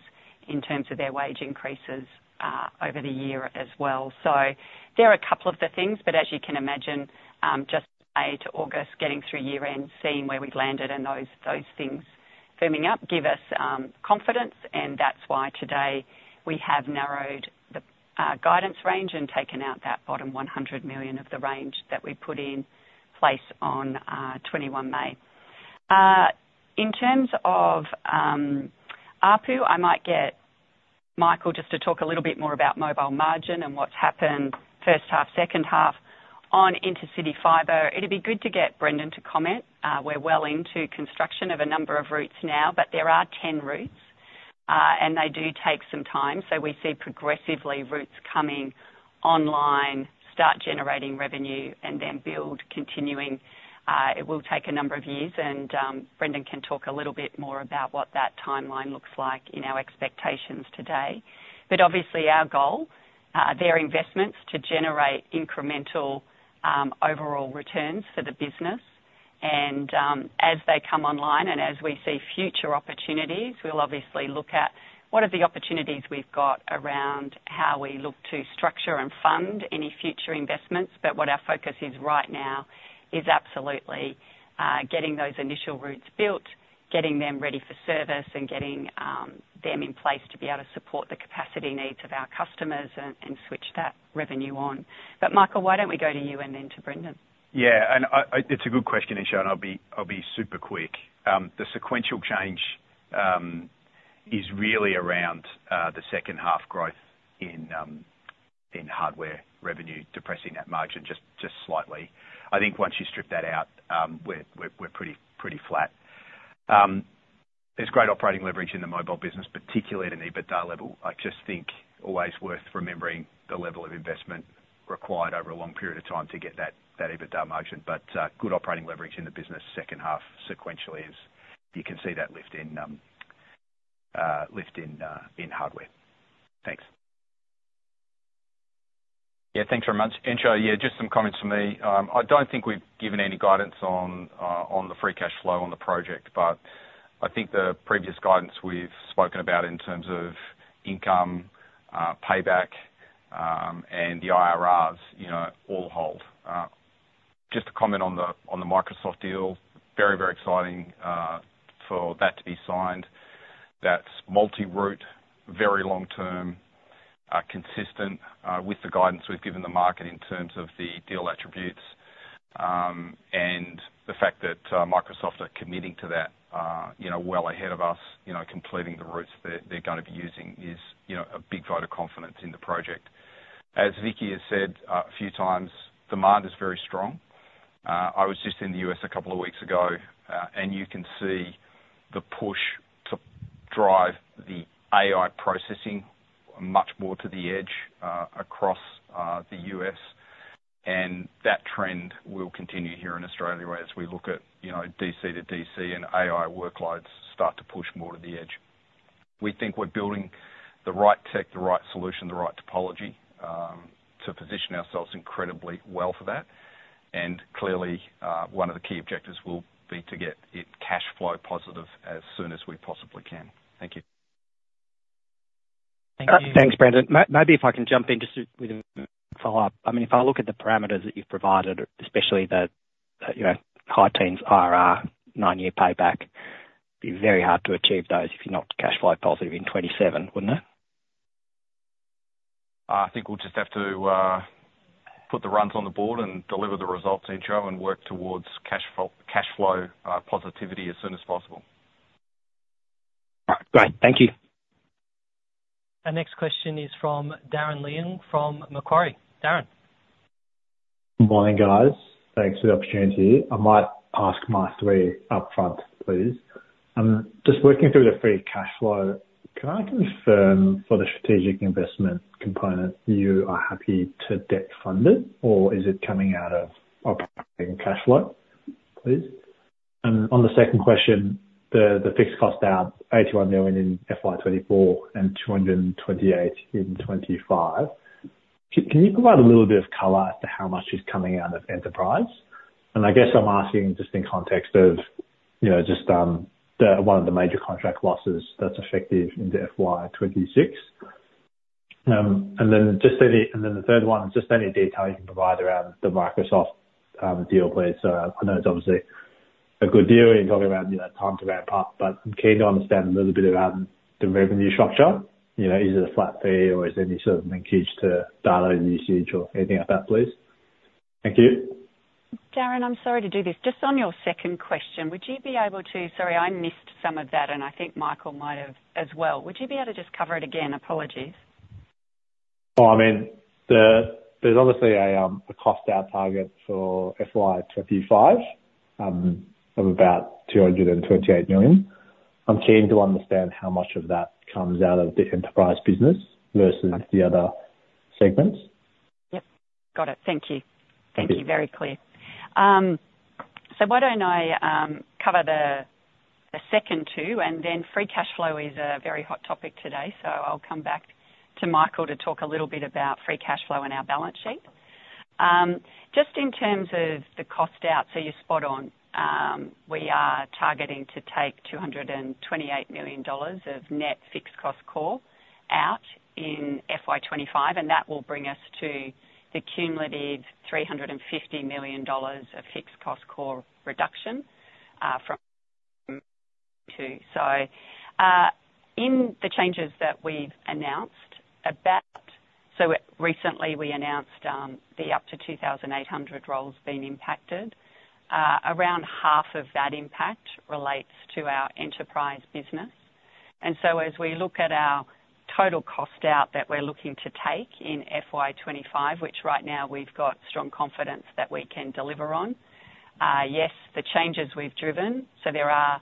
in terms of their wage increases over the year as well. So there are a couple of the things, but as you can imagine, just May to August, getting through year-end, seeing where we'd landed and those things firming up, give us confidence, and that's why today we have narrowed the guidance range and taken out that bottom 100 million of the range that we put in place on 21 May. In terms of ARPU, I might get Michael just to talk a little bit more about mobile margin and what's happened first half, second half. On Intercity Fibre, it'd be good to get Brendan to comment. We're well into construction of a number of routes now, but there are 10 routes, and they do take some time. So we see progressively routes coming online, start generating revenue, and then build continuing. It will take a number of years, and Brendan can talk a little bit more about what that timeline looks like in our expectations today. But obviously, our goal, their investments to generate incremental overall returns for the business. And as they come online and as we see future opportunities, we'll obviously look at what are the opportunities we've got around how we look to structure and fund any future investments. But what our focus is right now is absolutely getting those initial routes built, getting them ready for service, and getting them in place to be able to support the capacity needs of our customers and switch that revenue on. But Michael, why don't we go to you and then to Brendan? Yeah, and it's a good question, Entcho, and I'll be super quick. The sequential change is really around the second half growth in hardware revenue, depressing that margin just slightly. I think once you strip that out, we're pretty flat. There's great operating leverage in the mobile business, particularly at an EBITDA level. I just think always worth remembering the level of investment required over a long period of time to get that EBITDA margin. But good operating leverage in the business second half sequentially, as you can see that lift in hardware. Thanks. Yeah, thanks very much. Entcho, yeah, just some comments from me. I don't think we've given any guidance on, on the free cash flow on the project, but I think the previous guidance we've spoken about in terms of income, payback, and the IRRs, you know, all hold. Just to comment on the Microsoft deal. Very, very exciting, for that to be signed. That's multi-route, very long term, consistent, with the guidance we've given the market in terms of the deal attributes. And the fact that, Microsoft are committing to that, you know, well ahead of us, you know, completing the routes that they're gonna be using is, you know, a big vote of confidence in the project. As Vicki has said, a few times, demand is very strong. I was just in the U.S. a couple of weeks ago, and you can see the push to drive the AI processing much more to the edge across the U.S. And that trend will continue here in Australia as we look at, you know, DC to DC, and AI workloads start to push more to the edge. We think we're building the right tech, the right solution, the right topology to position ourselves incredibly well for that. And clearly, one of the key objectives will be to get it cash flow positive as soon as we possibly can. Thank you. Thank you. Thanks, Brendan. Maybe if I can jump in just with a follow-up. I mean, if I look at the parameters that you've provided, especially the, you know, high teens IRR, 9-year payback, be very hard to achieve those if you're not cash flow positive in 2027, wouldn't it? I think we'll just have to put the runs on the board and deliver the results Entcho, and work towards cash flow, cash flow, positivity as soon as possible. All right. Great. Thank you. Our next question is from Darren Leung, from Macquarie. Darren? Good morning, guys. Thanks for the opportunity. I might ask my three upfront, please. Just working through the free cash flow, can I confirm for the strategic investment component, you are happy to debt fund it, or is it coming out of operating cash flow, please? And on the second question, the fixed cost down, 81 million in FY 2024 and 228 million in 2025. Can you provide a little bit of color as to how much is coming out of enterprise? And I guess I'm asking just in context of, you know, just, the one of the major contract losses that's effective in the FY 2026. And then the third one, just any detail you can provide around the Microsoft deal, please. So I know it's obviously a good deal, you're talking about, you know, time to ramp up, but I'm keen to understand a little bit around the revenue structure. You know, is it a flat fee, or is there any sort of linkage to data usage or anything like that, please? Thank you. Darren, I'm sorry to do this. Just on your second question, would you be able to. Sorry, I missed some of that, and I think Michael might have as well. Would you be able to just cover it again? Apologies. Well, I mean, there's obviously a cost out target for FY 2025 of about 228 million. I'm keen to understand how much of that comes out of the enterprise business versus the other segments. Yeah. Got it. Thank you. Very clear. So why don't I cover the second two, and then free cash flow is a very hot topic today, so I'll come back to Michael to talk a little bit about free cash flow and our balance sheet. Just in terms of the cost out, so you're spot on. We are targeting to take 228 million dollars of net Fixed Cost Core out in FY 2025, and that will bring us to the cumulative 350 million dollars of Fixed Cost Core reduction from two. So in the changes that we've announced, about— So recently we announced the up to 2,800 roles being impacted. Around half of that impact relates to our enterprise business. And so as we look at our total cost out that we're looking to take in FY 2025, which right now we've got strong confidence that we can deliver on, yes, the changes we've driven. So there are,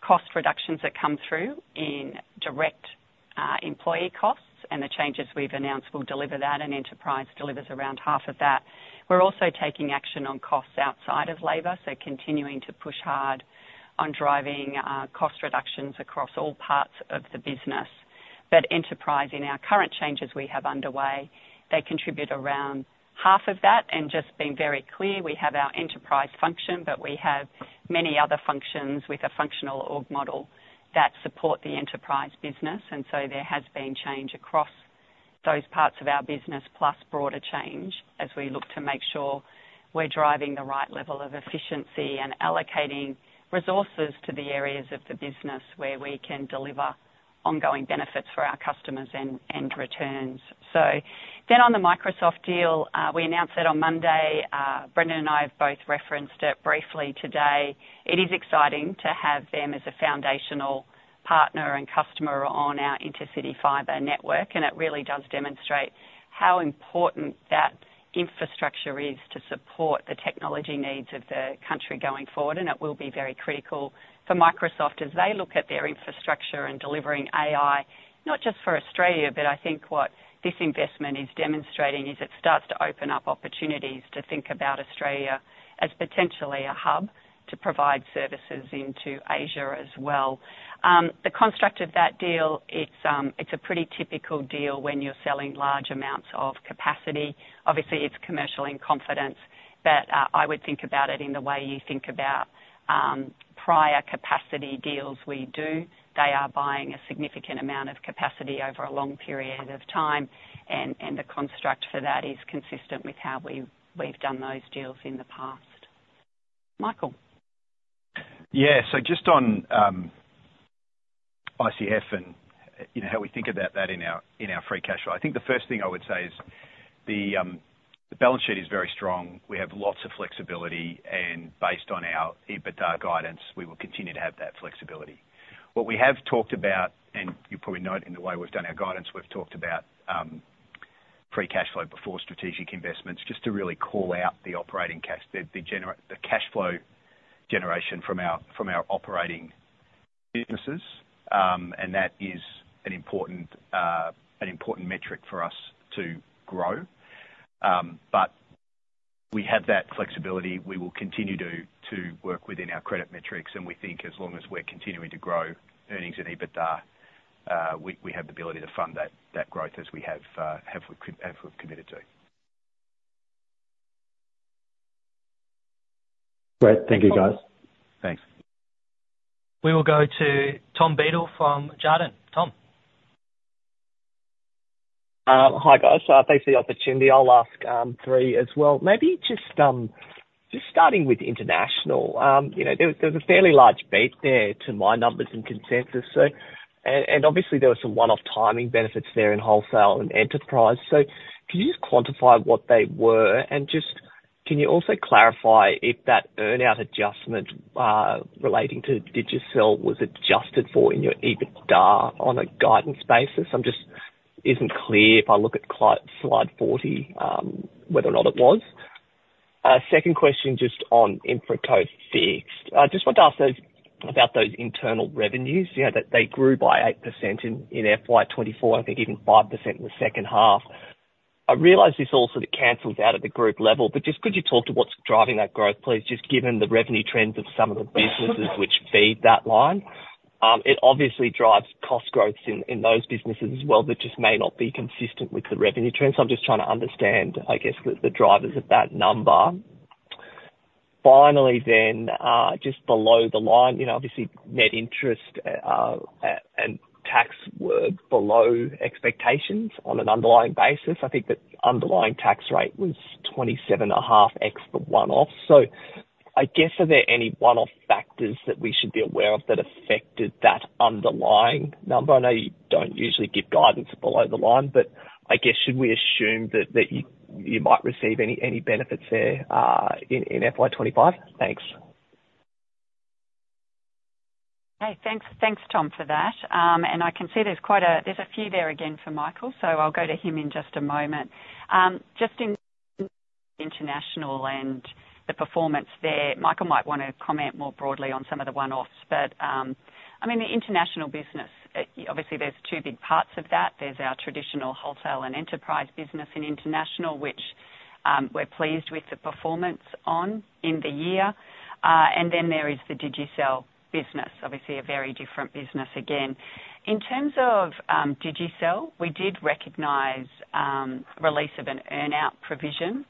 cost reductions that come through in direct, employee costs, and the changes we've announced will deliver that, and enterprise delivers around half of that. We're also taking action on costs outside of labor, so continuing to push hard on driving, cost reductions across all parts of the business. But enterprise, in our current changes we have underway, they contribute around half of that. Just being very clear, we have our enterprise function, but we have many other functions with a functional org model that support the enterprise business, and so there has been change across those parts of our business, plus broader change as we look to make sure we're driving the right level of efficiency and allocating resources to the areas of the business where we can deliver ongoing benefits for our customers and returns. So then, on the Microsoft deal, we announced that on Monday. Brendan and I have both referenced it briefly today. It is exciting to have them as a foundational partner and customer on our Intercity Fibre network, and it really does demonstrate how important that infrastructure is to support the technology needs of the country going forward. It will be very critical for Microsoft as they look at their infrastructure and delivering AI, not just for Australia, but I think what this investment is demonstrating is it starts to open up opportunities to think about Australia as potentially a hub to provide services into Asia as well. The construct of that deal, it's a pretty typical deal when you're selling large amounts of capacity. Obviously, it's commercial in confidence, but, I would think about it in the way you think about, prior capacity deals we do. They are buying a significant amount of capacity over a long period of time, and the construct for that is consistent with how we've done those deals in the past. Michael? Yeah, so just on ICF and, you know, how we think about that in our, in our free cash flow. I think the first thing I would say is the balance sheet is very strong. We have lots of flexibility, and based on our EBITDA guidance, we will continue to have that flexibility. What we have talked about, and you probably note in the way we've done our guidance, we've talked about free cash flow before strategic investments, just to really call out the operating cash, the cash flow generation from our operating businesses. And that is an important metric for us to grow. But we have that flexibility. We will continue to work within our credit metrics, and we think as long as we're continuing to grow earnings and EBITDA, we have the ability to fund that growth as we have committed to. Great. Thank you, guys. Thanks. We will go to Tom Beadle from Jarden. Tom? Hi, guys. Thanks for the opportunity. I'll ask three as well. Maybe just starting with international. You know, there was a fairly large beat there to my numbers and consensus. So, obviously, there were some one-off timing benefits there in wholesale and enterprise. So can you just quantify what they were? And just, can you also clarify if that earn-out adjustment relating to Digicel was adjusted for in your EBITDA on a guidance basis? I'm just-- it isn't clear if I look at slide 40, whether or not it was. Second question, just on InfraCo Fixed. I just wanted to ask about those internal revenues, you know, that they grew by 8% in FY 2024, I think even 5% in the second half. I realize this all sort of cancels out at the group level, but just could you talk to what's driving that growth, please? Just given the revenue trends of some of the businesses which feed that line. It obviously drives cost growth in those businesses as well, but just may not be consistent with the revenue trends. I'm just trying to understand, I guess, the drivers of that number. Finally, then, just below the line, you know, obviously, net interest and tax were below expectations on an underlying basis. I think the underlying tax rate was 27.5% ex one-off. So I guess, are there any one-off factors that we should be aware of that affected that underlying number? I know you don't usually give guidance below the line, but I guess, should we assume that you might receive any benefits there, in FY 2025? Thanks. Hey, thanks, thanks, Tom, for that. And I can see there's quite a few there again for Michael, so I'll go to him in just a moment. Just in international and the performance there, Michael might wanna comment more broadly on some of the one-offs. But I mean, the international business, obviously there's two big parts of that. There's our traditional wholesale and enterprise business in international, which we're pleased with the performance on in the year. And then there is the Digicel business, obviously a very different business again. In terms of Digicel, we did recognize release of an earn-out provision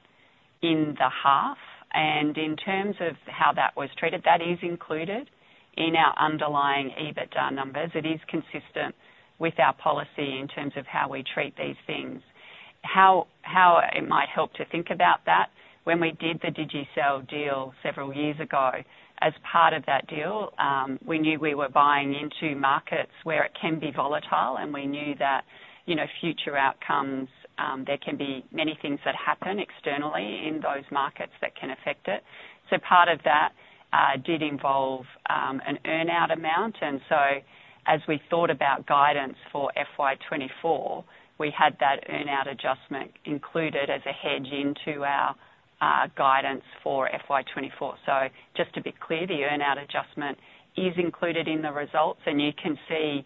in the half, and in terms of how that was treated, that is included in our underlying EBITDA numbers. It is consistent with our policy in terms of how we treat these things. How it might help to think about that, when we did the Digicel deal several years ago, as part of that deal, we knew we were buying into markets where it can be volatile, and we knew that, you know, future outcomes, there can be many things that happen externally in those markets that can affect it. So part of that did involve an earn-out amount. And so as we thought about guidance for FY 2024, we had that earn-out adjustment included as a hedge into our guidance for FY 2024. So just to be clear, the earn-out adjustment is included in the results, and you can see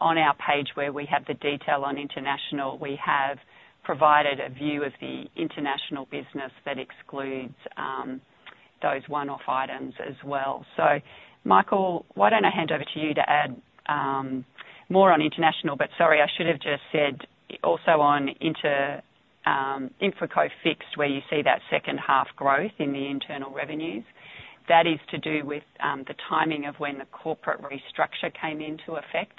on our page where we have the detail on international, we have provided a view of the international business that excludes those one-off items as well. So Michael, why don't I hand over to you to add more on international? But sorry, I should have just said, also on InfraCo Fixed, where you see that second half growth in the internal revenues, that is to do with the timing of when the corporate restructure came into effect.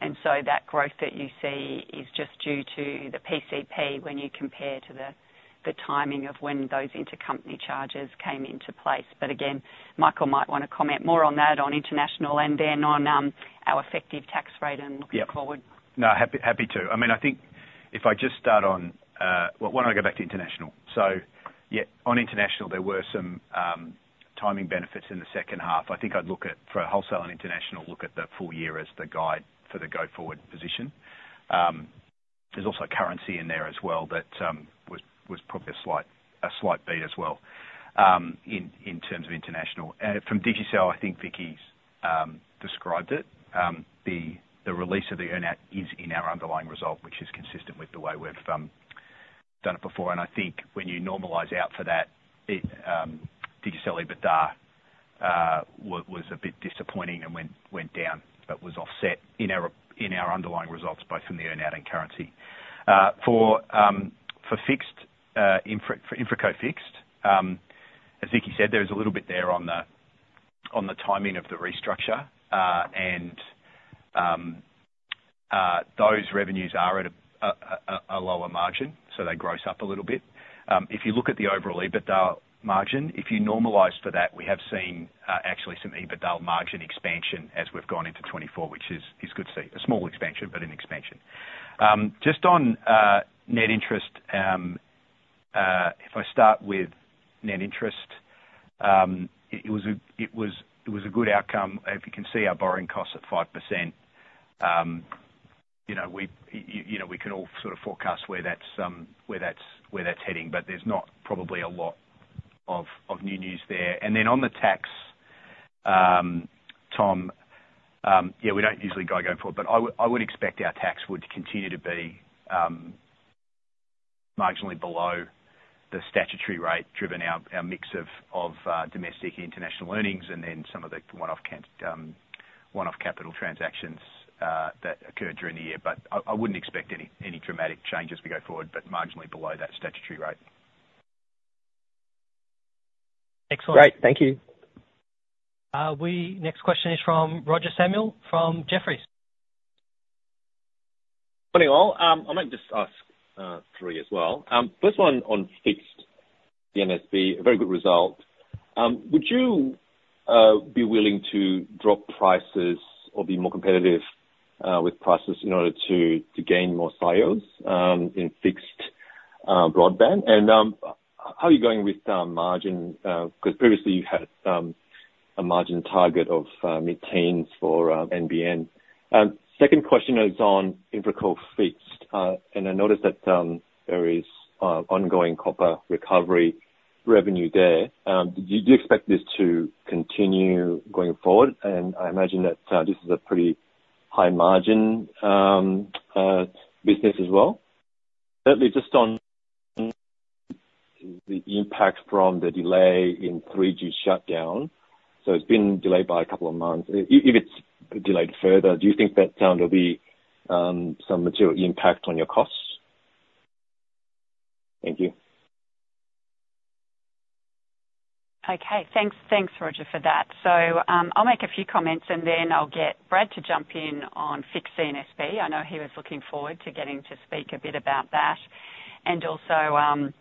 And so that growth that you see is just due to the PCP, when you compare to the timing of when those intercompany charges came into place. But again, Michael might want to comment more on that, on international, and then on our effective tax rate and looking forward. Yeah. No, happy, happy to. I mean, I think if I just start on. Well, why don't I go back to international? So yeah, on international, there were some timing benefits in the second half. I think I'd look at, for wholesale and international, look at the full year as the guide for the go-forward position. There's also currency in there as well that was probably a slight beat as well in terms of international. From Digicel, I think Vicki's described it. The release of the earn-out is in our underlying result, which is consistent with the way we've done it before. I think when you normalize out for that, it, Digicel EBITDA, was a bit disappointing and went down, but was offset in our underlying results, both from the earn-out and currency. For Fixed, InfraCo Fixed as Vicki said, there is a little bit there on the timing of the restructure, and those revenues are at a lower margin, so they gross up a little bit. If you look at the overall EBITDA margin, if you normalize for that, we have seen actually some EBITDA margin expansion as we've gone into 2024, which is good to see. A small expansion, but an expansion. Just on net interest, if I start with net interest, it was a good outcome. If you can see our borrowing costs at 5%, you know, we can all sort of forecast where that's heading, but there's not probably a lot of new news there. And then on the tax, Tom, yeah, we don't usually go going forward, but I would expect our tax would continue to be marginally below the statutory rate, driven our mix of domestic and international earnings, and then some of the one-off capital transactions that occurred during the year. But I wouldn't expect any dramatic change as we go forward, but marginally below that statutory rate. Excellent. Great. Thank you. Next question is from Roger Samuel, from Jefferies. Morning, all. I might just ask three as well. First one on Fixed CNSB, a very good result. Would you be willing to drop prices or be more competitive with prices in order to gain more sales in fixed broadband? And how are you going with margin? Because previously you had a margin target of mid-teens for NBN. Second question is on InfraCo Fixed, and I noticed that there is ongoing copper recovery revenue there. Do you expect this to continue going forward? And I imagine that this is a pretty high-margin business as well. Thirdly, just on the impact from the delay in 3G shutdown. So it's been delayed by a couple of months. If it's delayed further, do you think that there'll be some material impact on your costs? Thank you. Okay, thanks. Thanks, Roger, for that. So, I'll make a few comments, and then I'll get Brad to jump in on Fixed CNSB. I know he was looking forward to getting to speak a bit about that. And also,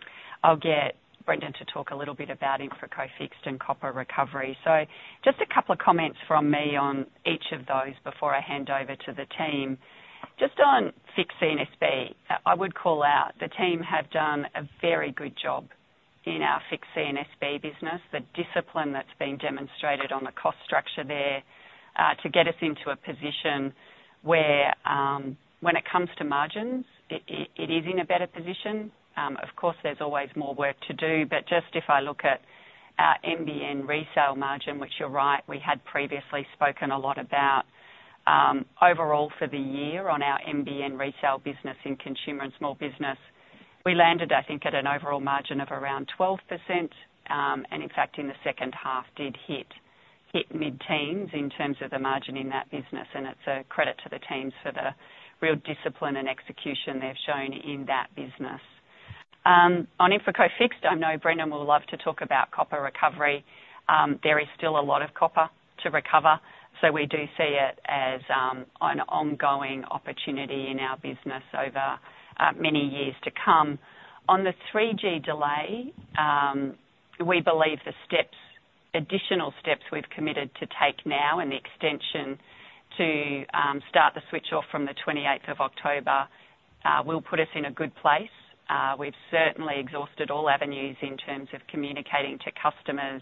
I'll get Brendan to talk a little bit about InfraCo fixed and copper recovery. So just a couple of comments from me on each of those before I hand over to the team. Just on Fixed CNSB, I would call out, the team have done a very good job in our Fixed CNSB business. The discipline that's been demonstrated on the cost structure there, to get us into a position where, when it comes to margins, it is in a better position. Of course, there's always more work to do, but just if I look at our NBN resale margin, which you're right, we had previously spoken a lot about, overall for the year on our NBN resale business in consumer and small business, we landed, I think, at an overall margin of around 12%. And in fact, in the second half did hit mid-teens% in terms of the margin in that business, and it's a credit to the teams for the real discipline and execution they've shown in that business. On InfraCo Fixed, I know Brendan will love to talk about copper recovery. There is still a lot of copper to recover, so we do see it as an ongoing opportunity in our business over many years to come. On the 3G delay, we believe the steps, additional steps we've committed to take now, and the extension to start the switch off from the 28th of October will put us in a good place. We've certainly exhausted all avenues in terms of communicating to customers.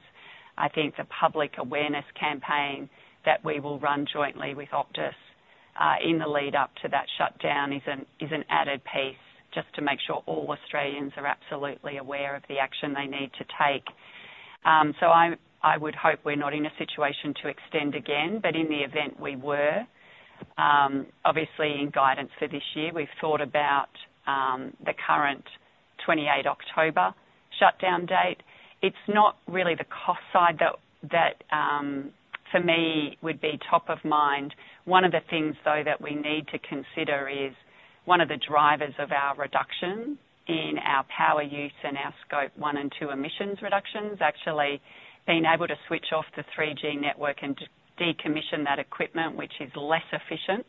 I think the public awareness campaign that we will run jointly with Optus in the lead up to that shutdown is an added piece, just to make sure all Australians are absolutely aware of the action they need to take. So I would hope we're not in a situation to extend again, but in the event we were, obviously in guidance for this year, we've thought about the current 28 October shutdown date. It's not really the cost side that for me would be top of mind. One of the things, though, that we need to consider is one of the drivers of our reduction in our power use and our Scope 1 and 2 emissions reductions, actually being able to switch off the 3G network and just decommission that equipment, which is less efficient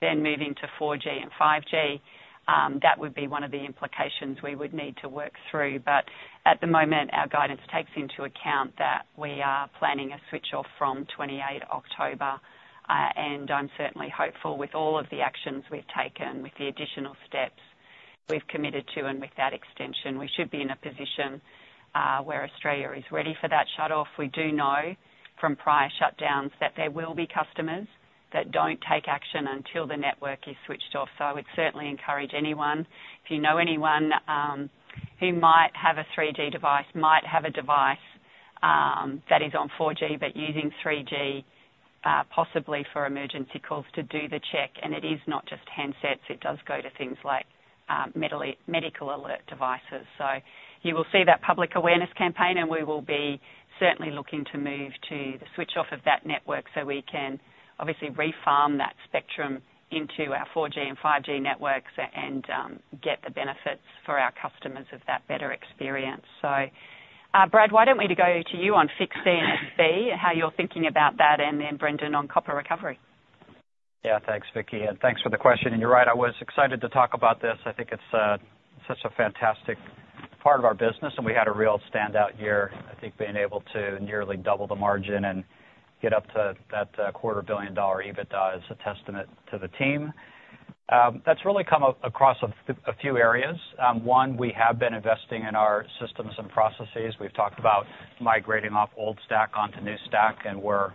than moving to 4G and 5G, that would be one of the implications we would need to work through. But at the moment, our guidance takes into account that we are planning a switch off from 28 October. And I'm certainly hopeful with all of the actions we've taken, with the additional steps we've committed to, and with that extension, we should be in a position where Australia is ready for that shutoff. We do know from prior shutdowns, that there will be customers that don't take action until the network is switched off. So I would certainly encourage anyone, if you know anyone, who might have a 3G device, might have a device, that is on 4G, but using 3G, possibly for emergency calls, to do the check. And it is not just handsets, it does go to things like, medical alert devices. So you will see that public awareness campaign, and we will be certainly looking to move to the switch off of that network, so we can obviously re-farm that spectrum into our 4G and 5G networks and, get the benefits for our customers of that better experience. Brad, why don't we go to you on fixed NBN, how you're thinking about that, and then Brendan on copper recovery? Yeah, thanks, Vicki, and thanks for the question. You're right, I was excited to talk about this. I think it's such a fantastic part of our business, and we had a real standout year. I think being able to nearly double the margin and get up to that 250 million dollar EBITDA is a testament to the team. That's really come across a few areas. One, we have been investing in our systems and processes. We've talked about migrating off old stack onto new stack, and we're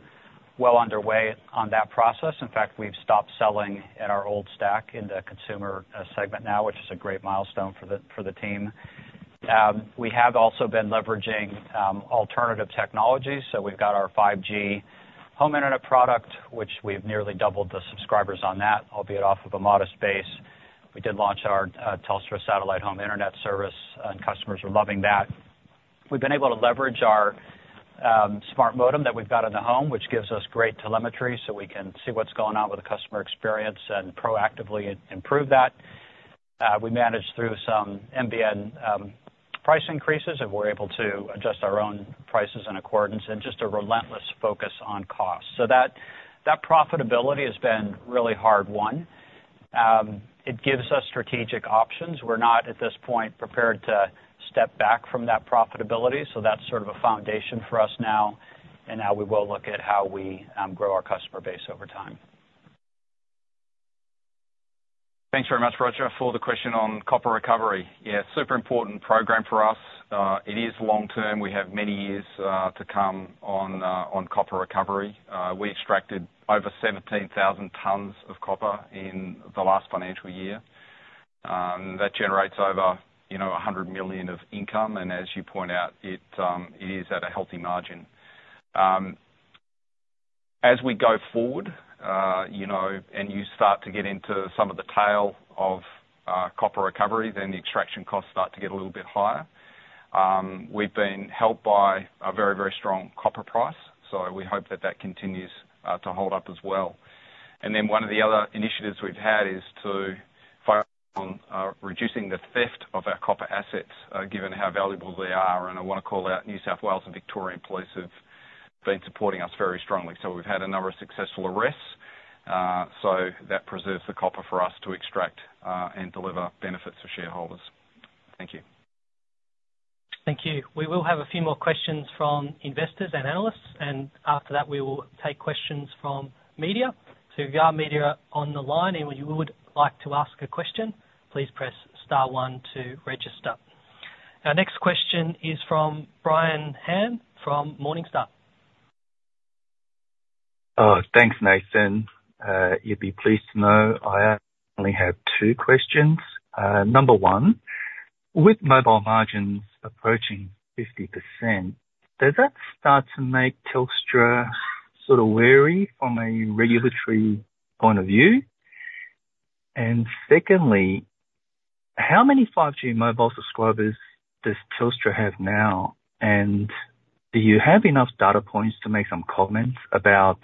well underway on that process. In fact, we've stopped selling in our old stack in the consumer segment now, which is a great milestone for the team. We have also been leveraging alternative technologies. So we've got our 5G Home Internet product, which we've nearly doubled the subscribers on that, albeit off of a modest base. We did launch our Telstra Satellite Home Internet service, and customers are loving that. We've been able to leverage our smart modem that we've got in the home, which gives us great telemetry, so we can see what's going on with the customer experience and proactively improve that. We managed through some NBN price increases, and we're able to adjust our own prices in accordance, and just a relentless focus on cost. So that, that profitability has been really hard won. It gives us strategic options. We're not, at this point, prepared to step back from that profitability, so that's sort of a foundation for us now. And now we will look at how we grow our customer base over time. Thanks very much, Roger, for the question on copper recovery. Yeah, super important program for us. It is long term. We have many years to come on copper recovery. We extracted over 17,000 tons of copper in the last financial year. That generates over 100 million of income, and as you point out, it is at a healthy margin. As we go forward, you know, and you start to get into some of the tail of copper recovery, then the extraction costs start to get a little bit higher. We've been helped by a very, very strong copper price, so we hope that that continues to hold up as well. And then one of the other initiatives we've had is to focus on reducing the theft of our copper assets, given how valuable they are. I want to call out New South Wales and Victorian police have been supporting us very strongly. We've had a number of successful arrests, so that preserves the copper for us to extract and deliver benefits for shareholders. Thank you. Thank you. We will have a few more questions from investors and analysts, and after that, we will take questions from media. So we've got media on the line, and if you would like to ask a question, please press star one to register. Our next question is from Brian Han, from Morningstar. Thanks, Nathan. You'd be pleased to know I only have two questions. Number one, with mobile margins approaching 50%, does that start to make Telstra sort of wary from a regulatory point of view? And secondly, how many 5G mobile subscribers does Telstra have now? And do you have enough data points to make some comments about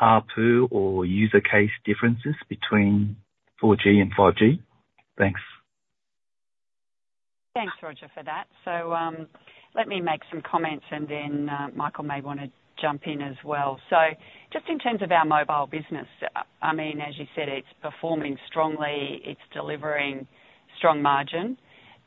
ARPU or use case differences between 4G and 5G? Thanks. Thanks, Roger, for that. So, let me make some comments and then, Michael may want to jump in as well. So just in terms of our mobile business, I mean, as you said, it's performing strongly. It's delivering strong margin.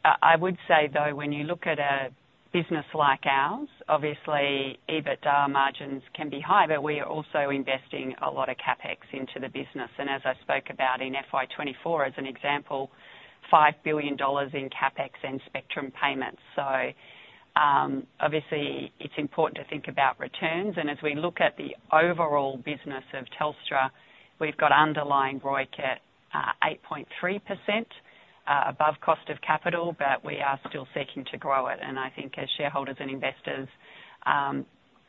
I would say, though, when you look at a business like ours, obviously EBITDA margins can be high, but we are also investing a lot of CapEx into the business. And as I spoke about in FY 2024, as an example, 5 billion dollars in CapEx and spectrum payments. So, obviously it's important to think about returns, and as we look at the overall business of Telstra, we've got underlying ROIC at 8.3%, above cost of capital, but we are still seeking to grow it. And I think as shareholders and investors,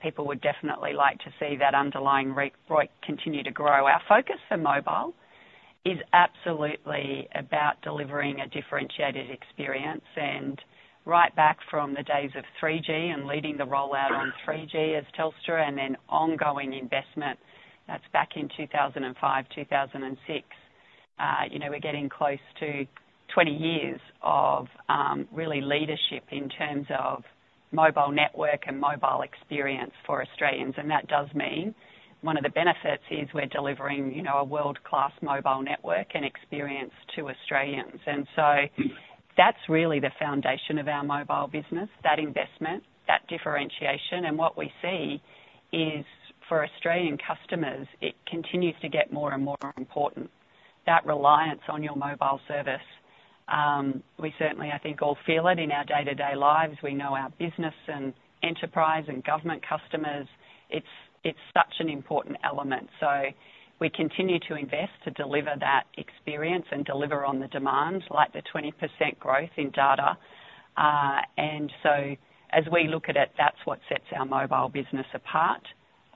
people would definitely like to see that underlying ROIC continue to grow. Our focus for mobile is absolutely about delivering a differentiated experience, and right back from the days of 3G and leading the rollout on 3G as Telstra, and then ongoing investment, that's back in 2005, 2006. You know, we're getting close to 20 years of really leadership in terms of mobile network and mobile experience for Australians. And that does mean one of the benefits is we're delivering, you know, a world-class mobile network and experience to Australians. And so that's really the foundation of our mobile business, that investment, that differentiation. And what we see is, for Australian customers, it continues to get more and more important, that reliance on your mobile service. We certainly, I think, all feel it in our day-to-day lives. We know our business and enterprise and government customers; it's such an important element. So we continue to invest to deliver that experience and deliver on the demand, like the 20% growth in data. And so as we look at it, that's what sets our mobile business apart.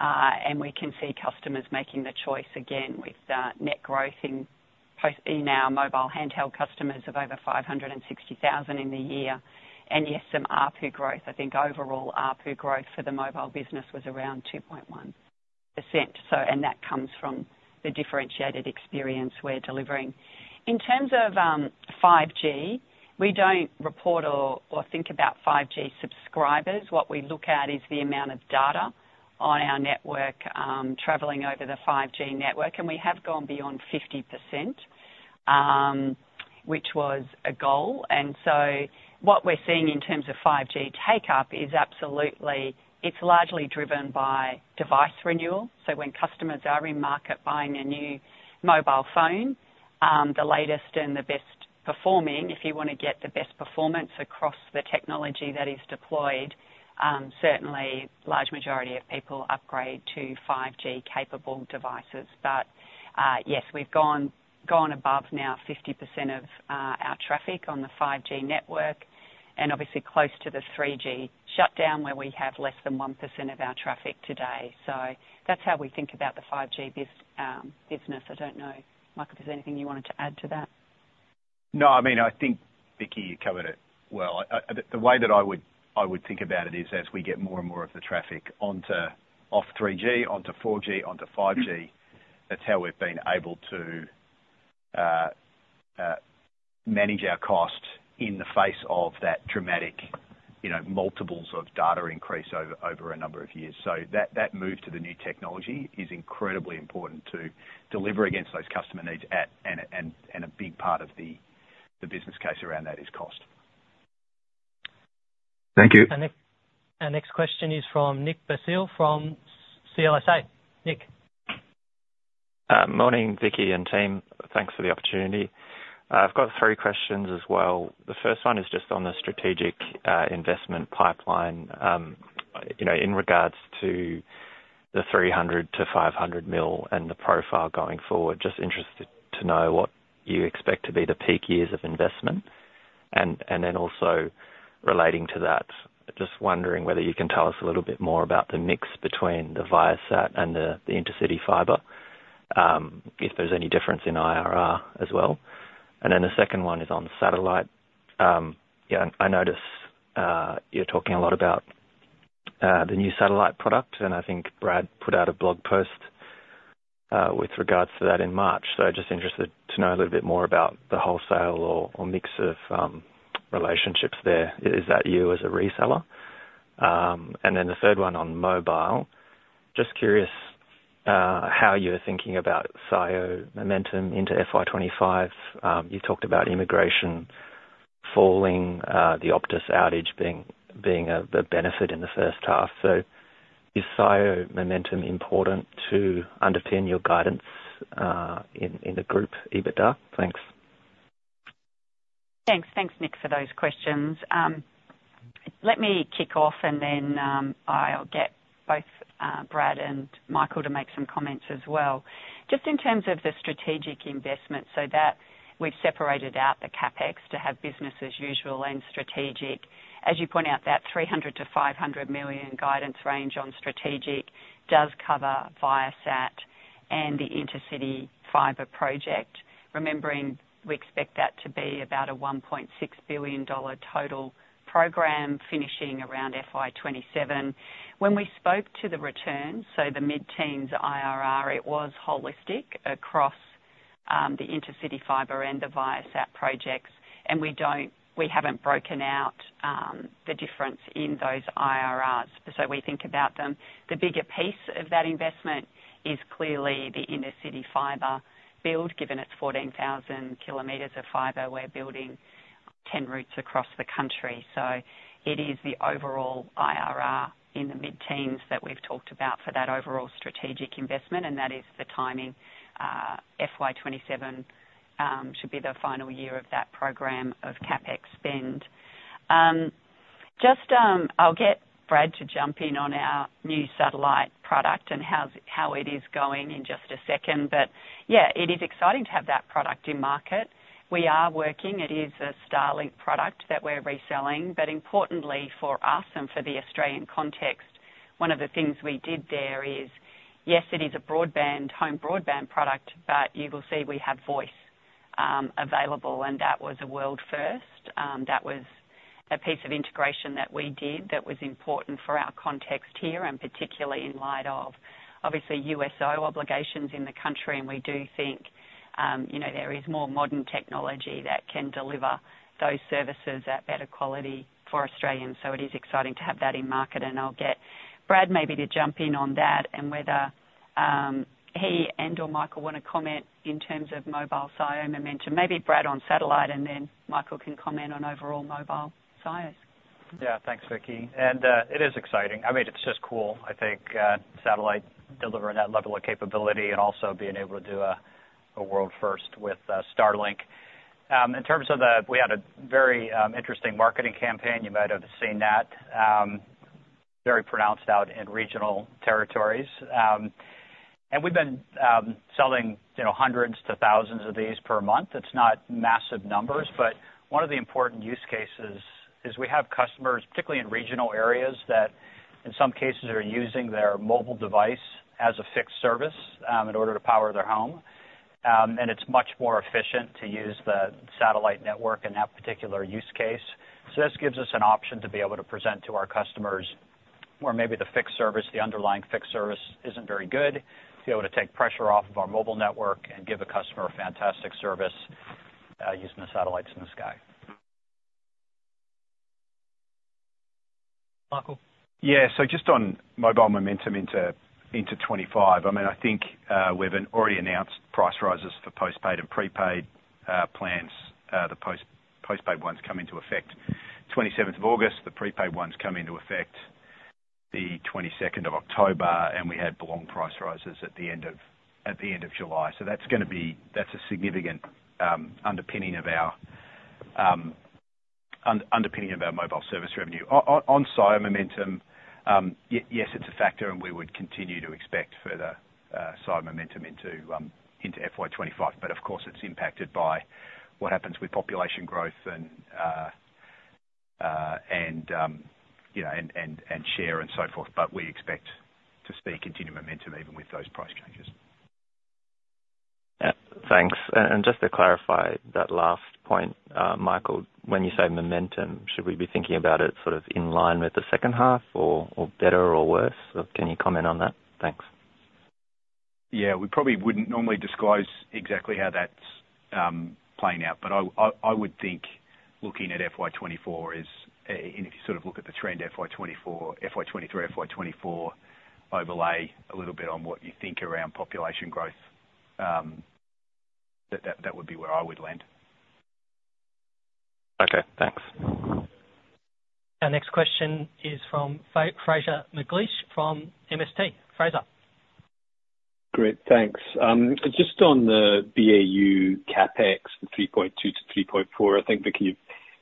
And we can see customers making the choice again with net growth in postpaid mobile handheld customers of over 560,000 in the year. And yes, some ARPU growth. I think overall ARPU growth for the mobile business was around 2.1%. So, and that comes from the differentiated experience we're delivering. In terms of 5G, we don't report or think about 5G subscribers. What we look at is the amount of data on our network, traveling over the 5G network, and we have gone beyond 50%, which was a goal. And so what we're seeing in terms of 5G take-up is absolutely—it's largely driven by device renewal. So when customers are in market buying a new mobile phone, the latest and the best performing, if you want to get the best performance across the technology that is deployed, certainly large majority of people upgrade to 5G capable devices. But, yes, we've gone above now 50% of our traffic on the 5G network, and obviously close to the 3G shutdown, where we have less than 1% of our traffic today. So that's how we think about the 5G business. I don't know, Michael, if there's anything you wanted to add to that? No, I mean, I think Vicki, you covered it well. I, the way that I would think about it is as we get more and more of the traffic onto, off 3G, onto 4G, onto 5G, that's how we've been able to manage our costs in the face of that dramatic, you know, multiples of data increase over a number of years. So that move to the new technology is incredibly important to deliver against those customer needs, and a big part of the business case around that is cost. Thank you. Our next question is from Nick Basile from CLSA. Nick. Morning, Vicki and team. Thanks for the opportunity. I've got three questions as well. The first one is just on the strategic investment pipeline. You know, in regards to the 300 million-500 million and the profile going forward, just interested to know what you expect to be the peak years of investment. And then also relating to that, just wondering whether you can tell us a little bit more about the mix between the Viasat and the Intercity Fibre, if there's any difference in IRR as well. And then the second one is on satellite. Yeah, I notice you're talking a lot about the new satellite product, and I think Brad put out a blog post with regards to that in March. So just interested to know a little bit more about the wholesale or mix of relationships there. Is that you as a reseller? And then the third one on mobile, just curious how you're thinking about SIO momentum into FY 2025. You talked about immigration falling, the Optus outage being a benefit in the first half. So is SIO momentum important to underpin your guidance in the group EBITDA? Thanks. Thanks. Thanks, Nick, for those questions. Let me kick off and then, I'll get both, Brad and Michael to make some comments as well. Just in terms of the strategic investment, so that we've separated out the CapEx to have business as usual and strategic. As you point out, that 300 million-500 million guidance range on strategic does cover Viasat and the Intercity Fibre project. Remembering, we expect that to be about a 1.6 billion dollar total program, finishing around FY 2027. When we spoke to the return, so the mid-teens IRR, it was holistic across, the Intercity Fibre and the Viasat projects, and we don't-- We haven't broken out, the difference in those IRRs, so we think about them. The bigger piece of that investment is clearly the Intercity Fibre build, given it's 14,000 kilometers of fibre, we're building 10 routes across the country. So it is the overall IRR in the mid-teens that we've talked about for that overall strategic investment, and that is the timing. FY 2027 should be the final year of that program of CapEx spend. Just, I'll get Brad to jump in on our new satellite product and how it is going in just a second. But yeah, it is exciting to have that product in market. We are working. It is a Starlink product that we're reselling, but importantly for us and for the Australian context, one of the things we did there is, yes, it is a broadband, home broadband product, but you will see we have voice available, and that was a world first. That was a piece of integration that we did that was important for our context here, and particularly in light of obviously, USO obligations in the country. And we do think, you know, there is more modern technology that can deliver those services at better quality for Australians. So it is exciting to have that in market, and I'll get Brad maybe to jump in on that and whether, he and/or Michael want to comment in terms of mobile CIO momentum. Maybe Brad on satellite, and then Michael can comment on overall mobile CIOs. Yeah. Thanks, Vicki, and it is exciting. I mean, it's just cool, I think, satellite delivering that level of capability and also being able to do a world first with Starlink. In terms of that we had a very interesting marketing campaign. You might have seen that, very pronounced out in regional territories. And we've been selling, you know, hundreds to thousands of these per month. It's not massive numbers, but one of the important use cases is we have customers, particularly in regional areas, that in some cases are using their mobile device as a fixed service in order to power their home. And it's much more efficient to use the satellite network in that particular use case. This gives us an option to be able to present to our customers, where maybe the fixed service, the underlying fixed service isn't very good, to be able to take pressure off of our mobile network and give the customer a fantastic service, using the satellites in the sky. Michael? Yeah. So just on mobile momentum into 2025. I mean, I think we've already announced price rises for postpaid and prepaid plans. The postpaid ones come into effect 27th of August. The prepaid ones come into effect the 22nd of October, and we had the annual price rises at the end of July. So that's going to be-- that's a significant underpinning of our mobile service revenue. On SIO momentum, yes, it's a factor, and we would continue to expect further site momentum into FY 2025. But of course, it's impacted by what happens with population growth and, you know, and share and so forth. But we expect to see continued momentum even with those price changes. Thanks. And just to clarify that last point, Michael, when you say momentum, should we be thinking about it sort of in line with the second half or better or worse? Or can you comment on that? Thanks. Yeah. We probably wouldn't normally disclose exactly how that's playing out. But I would think looking at FY 2024 is--and if you sort of look at the trend FY 2023, FY 2024, overlay a little bit on what you think around population growth, that would be where I would land. Okay, thanks. Our next question is from Fraser McLeish from MST. Fraser? Great, thanks. Just on the BAU CapEx, 3.2-3.4, I think, Vicki, you've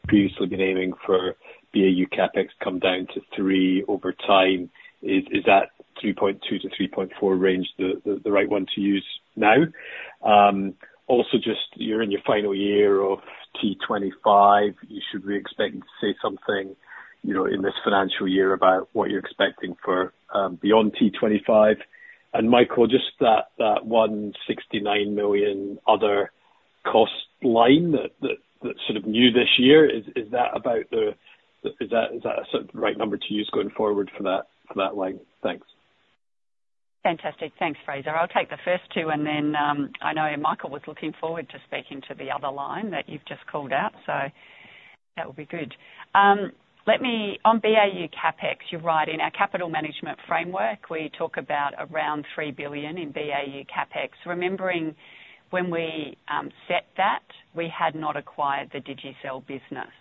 previously been aiming for BAU CapEx come down to 3 over time. Is, is that 3.2-3.4 range the right one to use now? Also, just you're in your final year of T25, you should be expecting to say something, you know, in this financial year about what you're expecting for, beyond T25. And Michael, just that, that 169 million other cost line that, that's sort of new this year. Is, is that about the, is that, is that a sort of right number to use going forward for that, for that line? Thanks. Fantastic. Thanks, Fraser. I'll take the first two, and then, I know Michael was looking forward to speaking to the other line that you've just called out, so that would be good. Let me. On BAU CapEx, you're right. In our capital management framework, we talk about around 3 billion in BAU CapEx. Remembering when we set that, we had not acquired the Digicel business.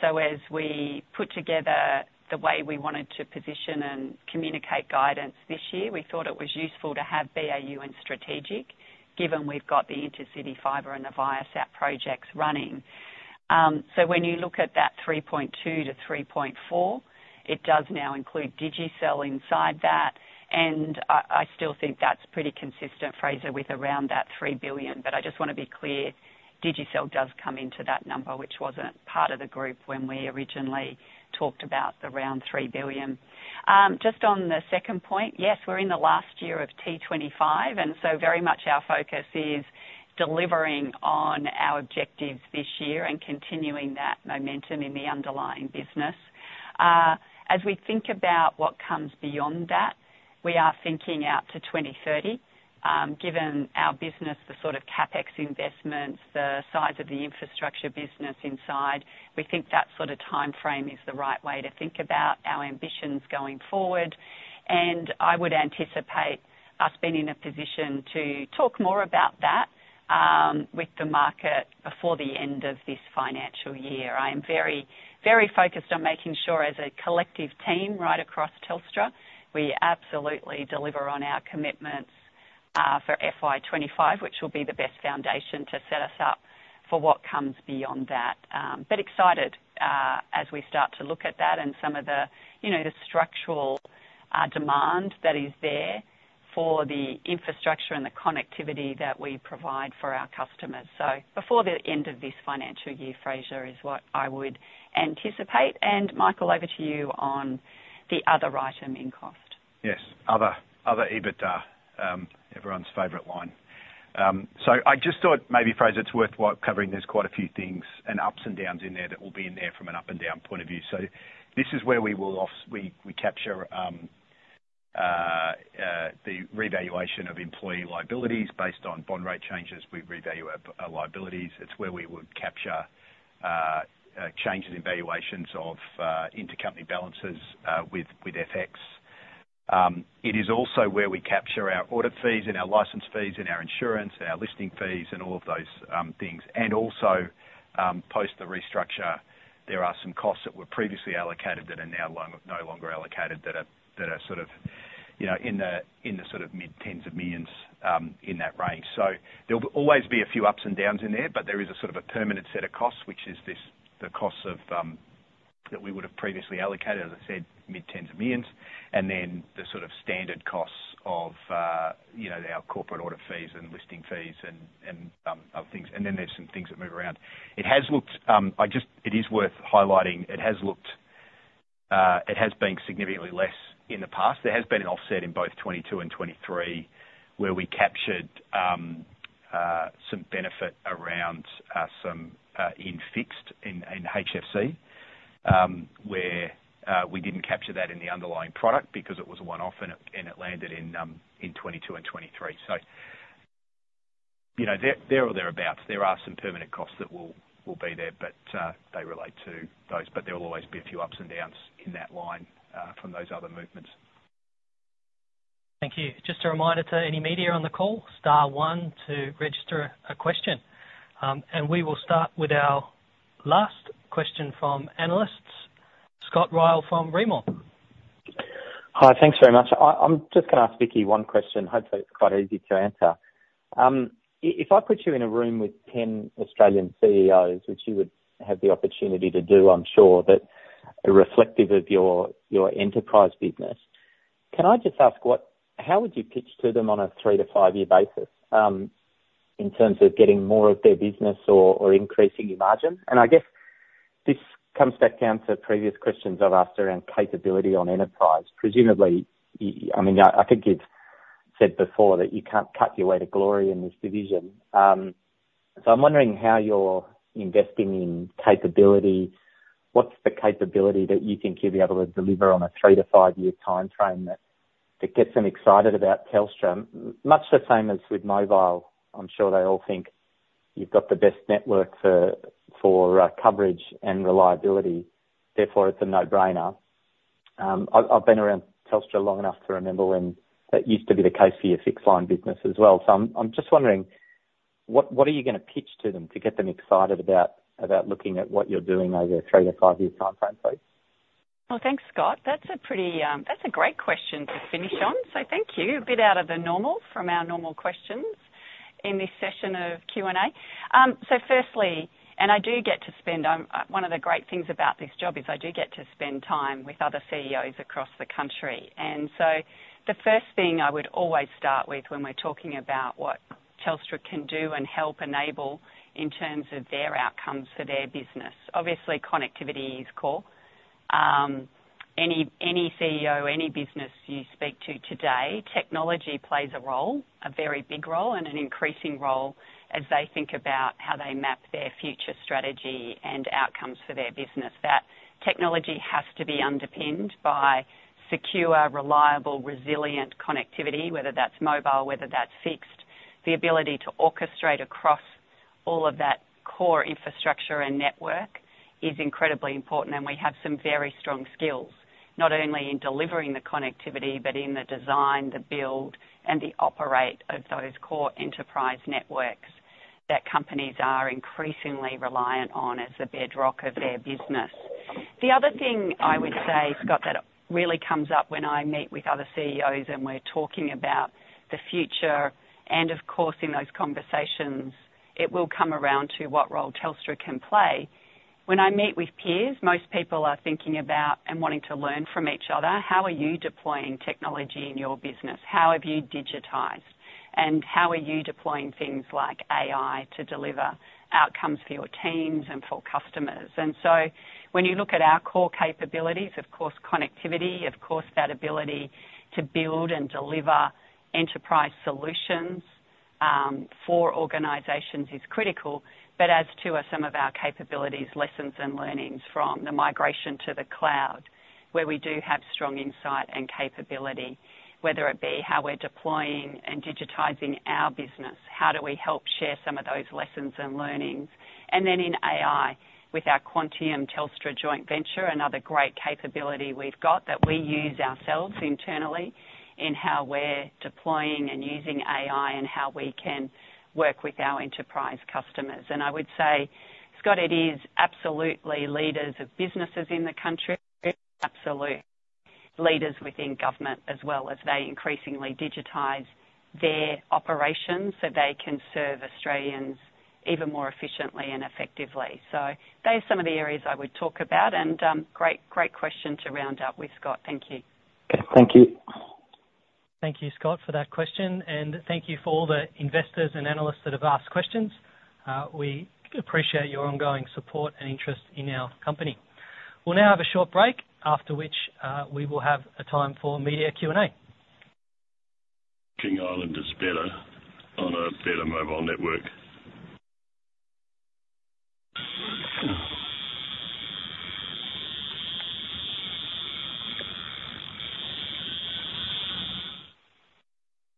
So, as we put together the way we wanted to position and communicate guidance this year, we thought it was useful to have BAU and strategic, given we've got the Intercity Fibre and the Viasat projects running. So when you look at that 3.2 billion-3.4 billion, it does now include Digicel inside that, and I, I still think that's pretty consistent, Fraser, with around that 3 billion. But I just wanna be clear, Digicel does come into that number, which wasn't part of the group when we originally talked about the around 3 billion. Just on the second point, yes, we're in the last year of T25, and so very much our focus is delivering on our objectives this year and continuing that momentum in the underlying business. As we think about what comes beyond that, we are thinking out to 2030. Given our business, the sort of CapEx investments, the size of the infrastructure business inside, we think that sort of timeframe is the right way to think about our ambitions going forward, and I would anticipate us being in a position to talk more about that with the market before the end of this financial year. I am very, very focused on making sure, as a collective team, right across Telstra, we absolutely deliver on our commitments, for FY 2025, which will be the best foundation to set us up for what comes beyond that. But excited, as we start to look at that and some of the, you know, the structural, demand that is there for the infrastructure and the connectivity that we provide for our customers. So before the end of this financial year, Fraser, is what I would anticipate. And Michael, over to you on the other item in cost. Yes, other EBITDA, everyone's favorite line. So I just thought maybe, Fraser, it's worthwhile covering. There's quite a few things and ups and downs in there that will be in there from an up and down point of view. So this is where we will capture the revaluation of employee liabilities. Based on bond rate changes, we revalue our liabilities. It's where we would capture changes in valuations of intercompany balances with FX. It is also where we capture our audit fees and our license fees and our insurance and our listing fees and all of those things. And also, post the restructure, there are some costs that were previously allocated that are now no longer allocated, that are sort of, you know, in the sort of AUD mid-tens of millions in that range. So there'll always be a few ups and downs in there, but there is a sort of a permanent set of costs, which is this, the costs of that we would have previously allocated, as I said, AUD mid-tens of millions, and then the sort of standard costs of, you know, our corporate audit fees and listing fees and other things. And then there's some things that move around. It is worth highlighting, it has been significantly less in the past. There has been an offset in both 2022 and 2023, where we captured some benefit around some in fixed in HFC, where we didn't capture that in the underlying product because it was a one-off, and it landed in 2022 and 2023. So, you know, there there or thereabouts, there are some permanent costs that will be there, but they relate to those. But there will always be a few ups and downs in that line from those other movements. Thank you. Just a reminder to any media on the call, star one to register a question. We will start with our last question from analysts, Scott Ryall from Rimor. Hi. Thanks very much. I'm just going to ask Vicki one question. Hopefully, it's quite easy to answer. If I put you in a room with 10 Australian CEOs, which you would have the opportunity to do, I'm sure, but reflective of your enterprise business, can I just ask what. How would you pitch to them on a 3-5-year basis, in terms of getting more of their business or increasing your margin? And I guess this comes back down to previous questions I've asked around capability on enterprise. Presumably, I mean, I think you've said before that you can't cut your way to glory in this division. So I'm wondering how you're investing in capability. What's the capability that you think you'll be able to deliver on a 3-5-year timeframe that gets them excited about Telstra? Much the same as with mobile. I'm sure they all think you've got the best network for coverage and reliability; therefore, it's a no-brainer. I've been around Telstra long enough to remember when that used to be the case for your fixed-line business as well. So I'm just wondering, what are you gonna pitch to them to get them excited about looking at what you're doing over a 3-5-year timeframe, please? Well, thanks, Scott. That's a great question to finish on, so thank you. A bit out of the normal from our normal questions in this session of Q&A. So firstly, one of the great things about this job is I do get to spend time with other CEOs across the country. And so the first thing I would always start with when we're talking about what Telstra can do and help enable in terms of their outcomes for their business, obviously connectivity is core. Any CEO, any business you speak to today, technology plays a role, a very big role and an increasing role, as they think about how they map their future strategy and outcomes for their business. That technology has to be underpinned by secure, reliable, resilient connectivity, whether that's mobile, whether that's fixed. The ability to orchestrate across all of that core infrastructure and network is incredibly important, and we have some very strong skills, not only in delivering the connectivity but in the design, the build, and the operate of those core enterprise networks that companies are increasingly reliant on as the bedrock of their business. The other thing I would say, Scott, that really comes up when I meet with other CEOs and we're talking about the future, and of course, in those conversations, it will come around to what role Telstra can play. When I meet with peers, most people are thinking about and wanting to learn from each other. How are you deploying technology in your business? How have you digitized, and how are you deploying things like AI to deliver outcomes for your teams and for customers? And so when you look at our core capabilities, of course, connectivity, of course, that ability to build and deliver enterprise solutions, for organizations is critical. But as to are some of our capabilities, lessons, and learnings from the migration to the cloud, where we do have strong insight and capability, whether it be how we're deploying and digitizing our business, how do we help share some of those lessons and learnings? And then in AI, with our Quantium Telstra joint venture, another great capability we've got that we use ourselves internally in how we're deploying and using AI and how we can work with our enterprise customers. I would say, Scott, it is absolutely leaders of businesses in the country, absolute leaders within government, as well as they increasingly digitize their operations so they can serve Australians even more efficiently and effectively. So those are some of the areas I would talk about, and great, great question to round out with, Scott. Thank you. Okay. Thank you. Thank you, Scott, for that question, and thank you for all the investors and analysts that have asked questions. We appreciate your ongoing support and interest in our company. We'll now have a short break, after which, we will have a time for media Q&A. King Island is better on a better mobile network.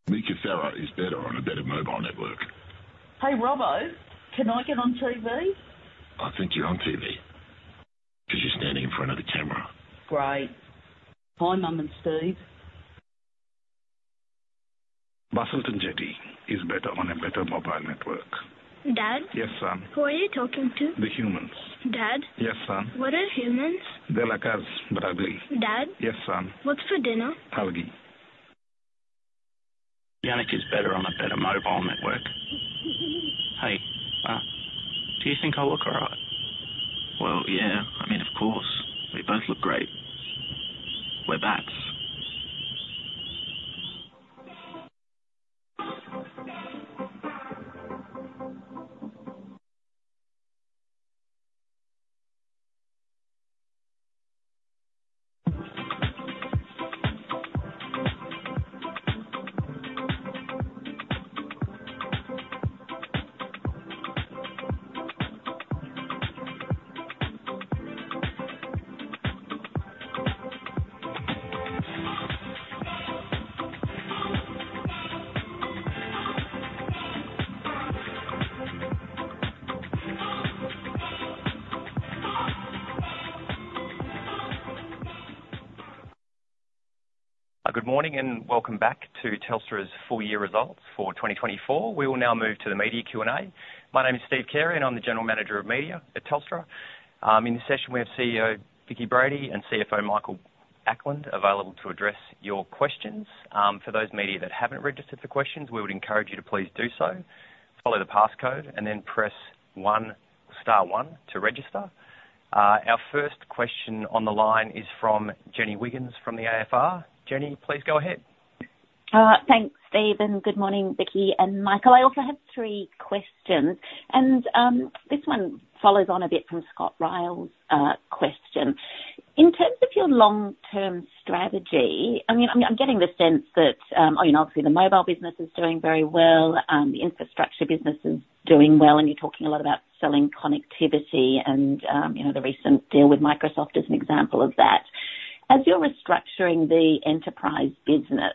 Meekatharra is better on a better mobile network. Hey, Robo, can I get on TV? I think you're on TV 'cause you're standing in front of the camera. Great. Hi, Mom and Steve. Busselton Jetty is better on a better mobile network. Dad? Yes, son. Who are you talking to? The humans. Dad? Yes, son. What are humans? They're like us, but ugly. Dad? Yes, son. What's for dinner? [Algae]. Jandakot is better on a better mobile network. Hey, do you think I look all right? Well, yeah. I mean, of course, we both look great. We're bats. Good morning, and welcome back to Telstra's full year results for 2024. We will now move to the media Q&A. My name is Steve Carey, and I'm the General Manager of Media at Telstra. In this session, we have CEO Vicki Brady and CFO Michael Ackland available to address your questions. For those media that haven't registered for questions, we would encourage you to please do so. Follow the passcode and then press one. Star one to register. Our first question on the line is from Jenny Wiggins from the AFR. Jenny, please go ahead. Thanks, Steve, and good morning, Vicki and Michael. I also have three questions, and this one follows on a bit from Scott Ryall's question. In terms of your long-term strategy, I mean, I'm getting the sense that you know, obviously the mobile business is doing very well, the infrastructure business is doing well, and you're talking a lot about selling connectivity and you know, the recent deal with Microsoft is an example of that. As you're restructuring the enterprise business,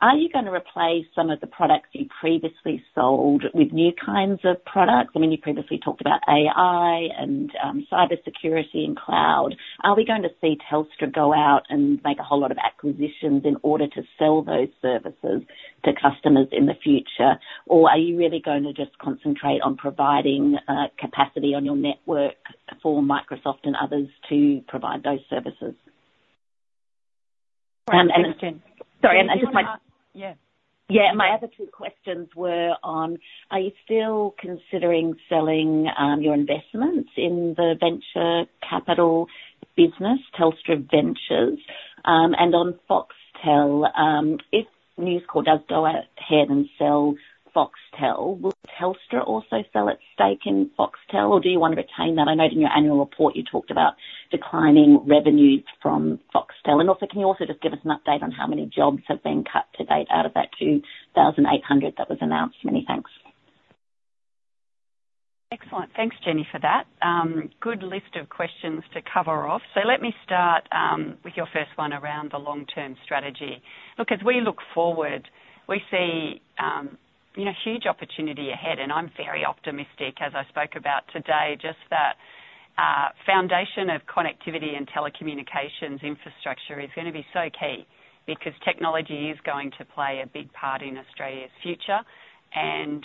are you going to replace some of the products you previously sold with new kinds of products? I mean, you previously talked about AI and cybersecurity and cloud. Are we going to see Telstra go out and make a whole lot of acquisitions in order to sell those services to customers in the future? Or are you really going to just concentrate on providing capacity on your network for Microsoft and others to provide those services? Sorry, and I just want to add? Yeah, my other two questions were on: are you still considering selling your investments in the venture capital business, Telstra Ventures? And on Foxtel, if News Corp does go ahead and sell Foxtel, will Telstra also sell its stake in Foxtel, or do you want to retain that? I know in your annual report, you talked about declining revenues from Foxtel. And also, can you also just give us an update on how many jobs have been cut to date out of that 2,800 that was announced? Many thanks. Excellent. Thanks, Jenny, for that. Good list of questions to cover off. So let me start with your first one around the long-term strategy. Look, as we look forward, we see you know, huge opportunity ahead, and I'm very optimistic, as I spoke about today, just that foundation of connectivity and telecommunications infrastructure is going to be so key because technology is going to play a big part in Australia's future, and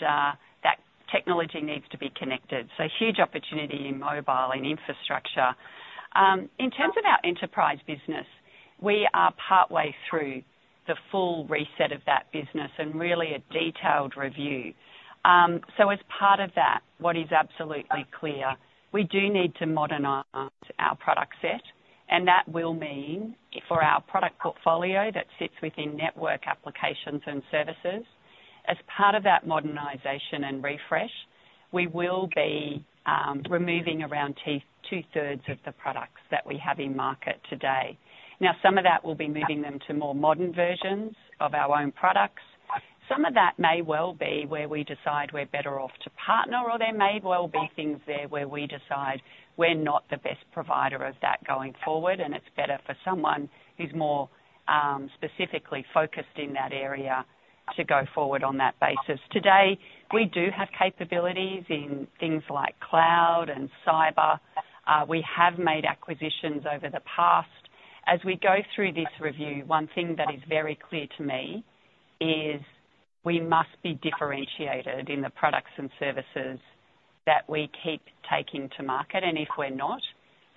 that technology needs to be connected. So huge opportunity in mobile and infrastructure. In terms of our enterprise business, we are partway through the full reset of that business and really a detailed review. So as part of that, what is absolutely clear, we do need to modernize our product set, and that will mean for our product portfolio that sits within Network Applications and Services, as part of that modernization and refresh, we will be removing around 2/3s of the products that we have in market today. Now, some of that will be moving them to more modern versions of our own products. Some of that may well be where we decide we're better off to partner, or there may well be things there where we decide we're not the best provider of that going forward, and it's better for someone who's more specifically focused in that area to go forward on that basis. Today, we do have capabilities in things like cloud and cyber. We have made acquisitions over the past. As we go through this review, one thing that is very clear to me is we must be differentiated in the products and services that we keep taking to market, and if we're not,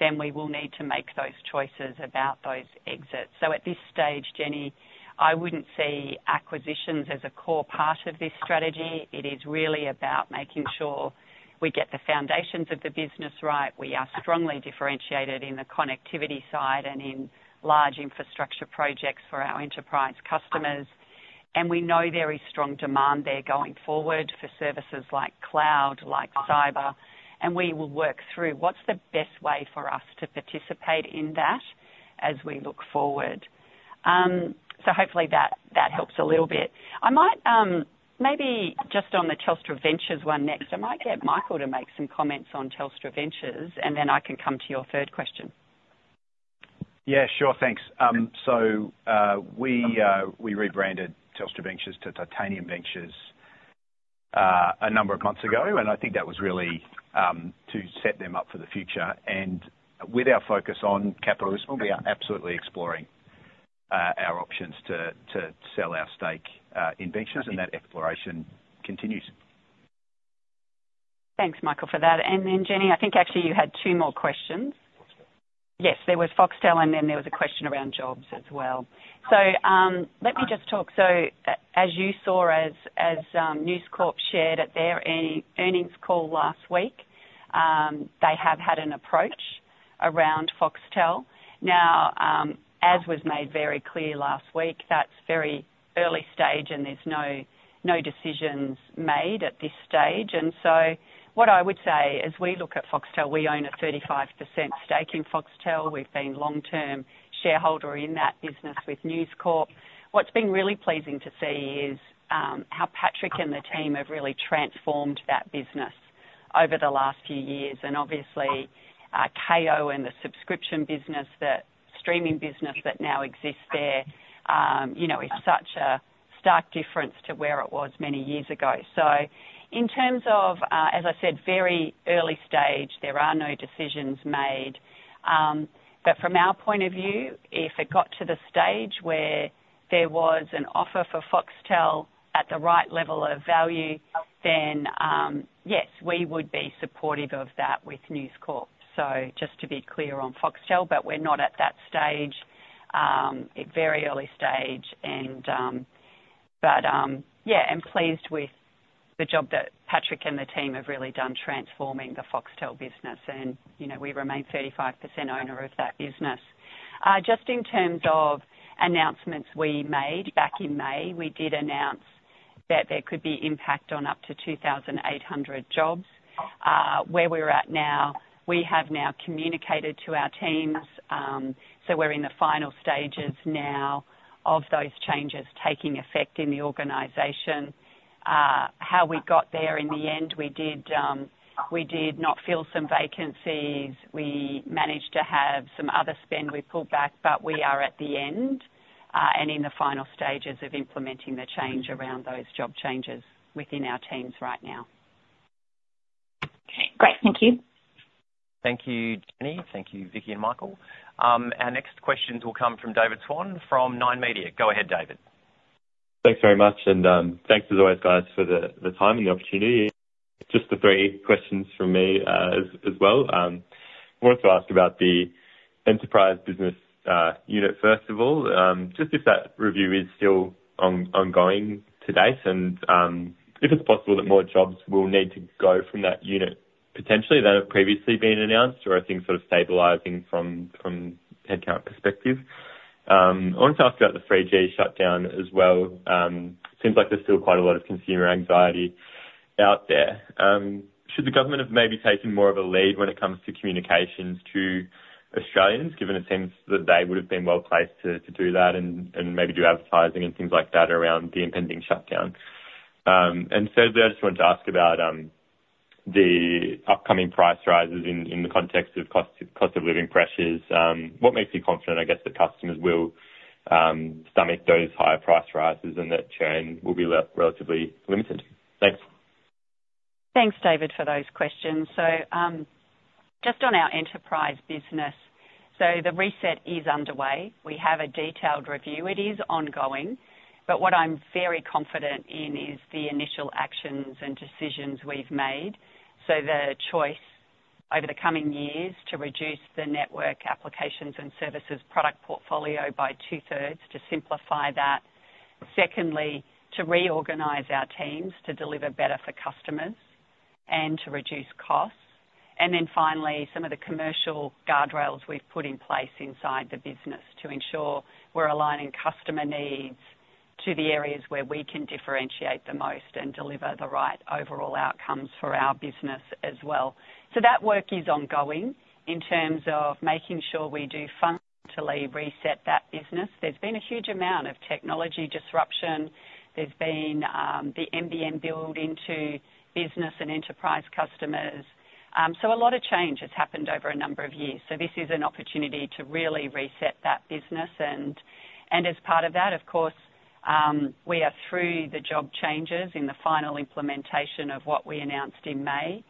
then we will need to make those choices about those exits. So at this stage, Jenny, I wouldn't see acquisitions as a core part of this strategy. It is really about making sure we get the foundations of the business right. We are strongly differentiated in the connectivity side and in large infrastructure projects for our enterprise customers, and we know there is strong demand there going forward for services like cloud, like cyber, and we will work through what's the best way for us to participate in that as we look forward. So hopefully that, that helps a little bit. I might, maybe just on the Telstra Ventures one next. I might get Michael to make some comments on Telstra Ventures, and then I can come to your third question. Yeah, sure. Thanks. So, we rebranded Telstra Ventures to Titanium Ventures a number of months ago, and I think that was really to set them up for the future. And with our focus on capital return, we are absolutely exploring our options to sell our stake in Ventures, and that exploration continues. Thanks, Michael, for that. And then, Jenny, I think actually you had two more questions. Foxtel. Yes, there was Foxtel, and then there was a question around jobs as well. So, let me just talk. So as you saw, News Corp shared at their earnings call last week, they have had an approach around Foxtel. Now, as was made very clear last week, that's very early stage, and there's no decisions made at this stage. And so what I would say, as we look at Foxtel, we own a 35% stake in Foxtel. We've been long-term shareholder in that business with News Corp. What's been really pleasing to see is how Patrick and the team have really transformed that business over the last few years. And obviously, Kayo and the subscription business, that streaming business that now exists there, you know, is such a stark difference to where it was many years ago. So in terms of, as I said, very early stage, there are no decisions made. But from our point of view, if it got to the stage where there was an offer for Foxtel at the right level of value, then, yes, we would be supportive of that with News Corp. So just to be clear on Foxtel, but we're not at that stage, a very early stage, and, but, yeah, I'm pleased with the job that Patrick and the team have really done transforming the Foxtel business. And, you know, we remain 35% owner of that business. Just in terms of announcements we made back in May, we did announce that there could be impact on up to 2,800 jobs. Where we're at now, we have now communicated to our teams, so we're in the final stages now of those changes taking effect in the organization. How we got there, in the end, we did, we did not fill some vacancies. We managed to have some other spend we pulled back, but we are at the end, and in the final stages of implementing the change around those job changes within our teams right now. Okay, great. Thank you. Thank you, Jenny. Thank you, Vicki and Michael. Our next questions will come from David Swan from Nine Media. Go ahead, David. Thanks very much, and thanks as always, guys, for the time and the opportunity. Just the three questions from me, as well. Wanted to ask about the enterprise business unit, first of all, just if that review is still ongoing to date, and if it's possible that more jobs will need to go from that unit potentially than have previously been announced, or are things sort of stabilizing from headcount perspective? I wanted to ask about the 3G shutdown as well. Seems like there's still quite a lot of consumer anxiety out there. Should the government have maybe taken more of a lead when it comes to communications to Australians, given the sense that they would have been well placed to do that and maybe do advertising and things like that around the impending shutdown? And thirdly, I just wanted to ask about the upcoming price rises in the context of cost of living pressures. What makes you confident, I guess, that customers will stomach those higher price rises and that churn will be relatively limited? Thanks. Thanks, David, for those questions. So, just on our enterprise business, so the reset is underway. We have a detailed review. It is ongoing, but what I'm very confident in is the initial actions and decisions we've made. So the choice over the coming years to reduce the network applications and services product portfolio by 2/3s to simplify that. Secondly, to reorganize our teams to deliver better for customers and to reduce costs. And then finally, some of the commercial guardrails we've put in place inside the business to ensure we're aligning customer needs to the areas where we can differentiate the most and deliver the right overall outcomes for our business as well. So that work is ongoing in terms of making sure we do functionally reset that business. There's been a huge amount of technology disruption. There's been the NBN build into business and enterprise customers. So a lot of change has happened over a number of years. So this is an opportunity to really reset that business, and as part of that, of course, we are through the job changes in the final implementation of what we announced in May.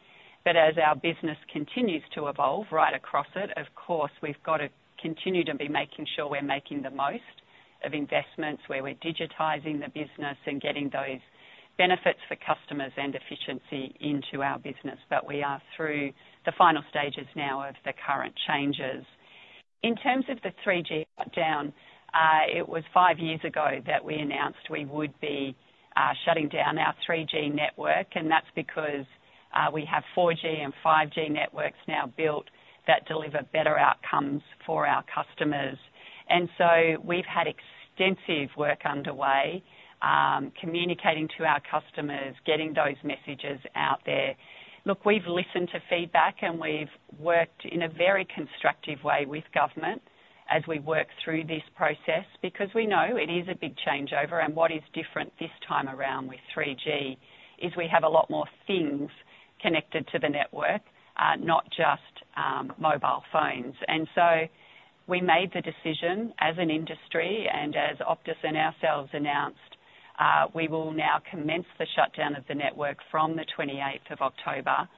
But as our business continues to evolve right across it, of course, we've got to continue to be making sure we're making the most of investments, where we're digitizing the business and getting those benefits for customers and efficiency into our business. But we are through the final stages now of the current changes. In terms of the 3G shutdown, it was 5 years ago that we announced we would be shutting down our 3G network, and that's because we have 4G and 5G networks now built that deliver better outcomes for our customers. And so we've had extensive work underway, communicating to our customers, getting those messages out there. Look, we've listened to feedback, and we've worked in a very constructive way with government as we work through this process, because we know it is a big changeover, and what is different this time around with 3G is we have a lot more things connected to the network, not just, mobile phones. And so we made the decision as an industry, and as Optus and ourselves announced, we will now commence the shutdown of the network from the 28th of October.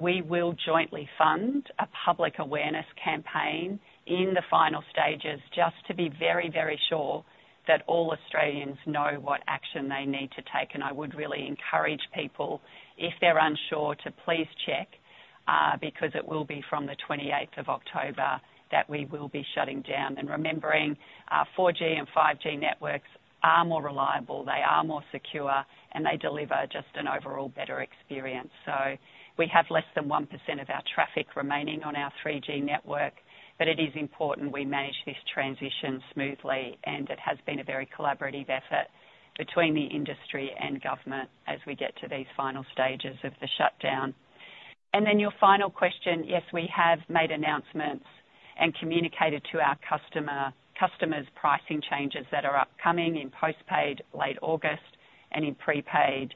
We will jointly fund a public awareness campaign in the final stages just to be very, very sure that all Australians know what action they need to take, and I would really encourage people, if they're unsure, to please check. Because it will be from the 28th of October that we will be shutting down. Remembering, 4G and 5G networks are more reliable, they are more secure, and they deliver just an overall better experience. So we have less than 1% of our traffic remaining on our 3G network, but it is important we manage this transition smoothly, and it has been a very collaborative effort between the industry and government as we get to these final stages of the shutdown. And then your final question, yes, we have made announcements and communicated to our customers' pricing changes that are upcoming in postpaid late August and in prepaid,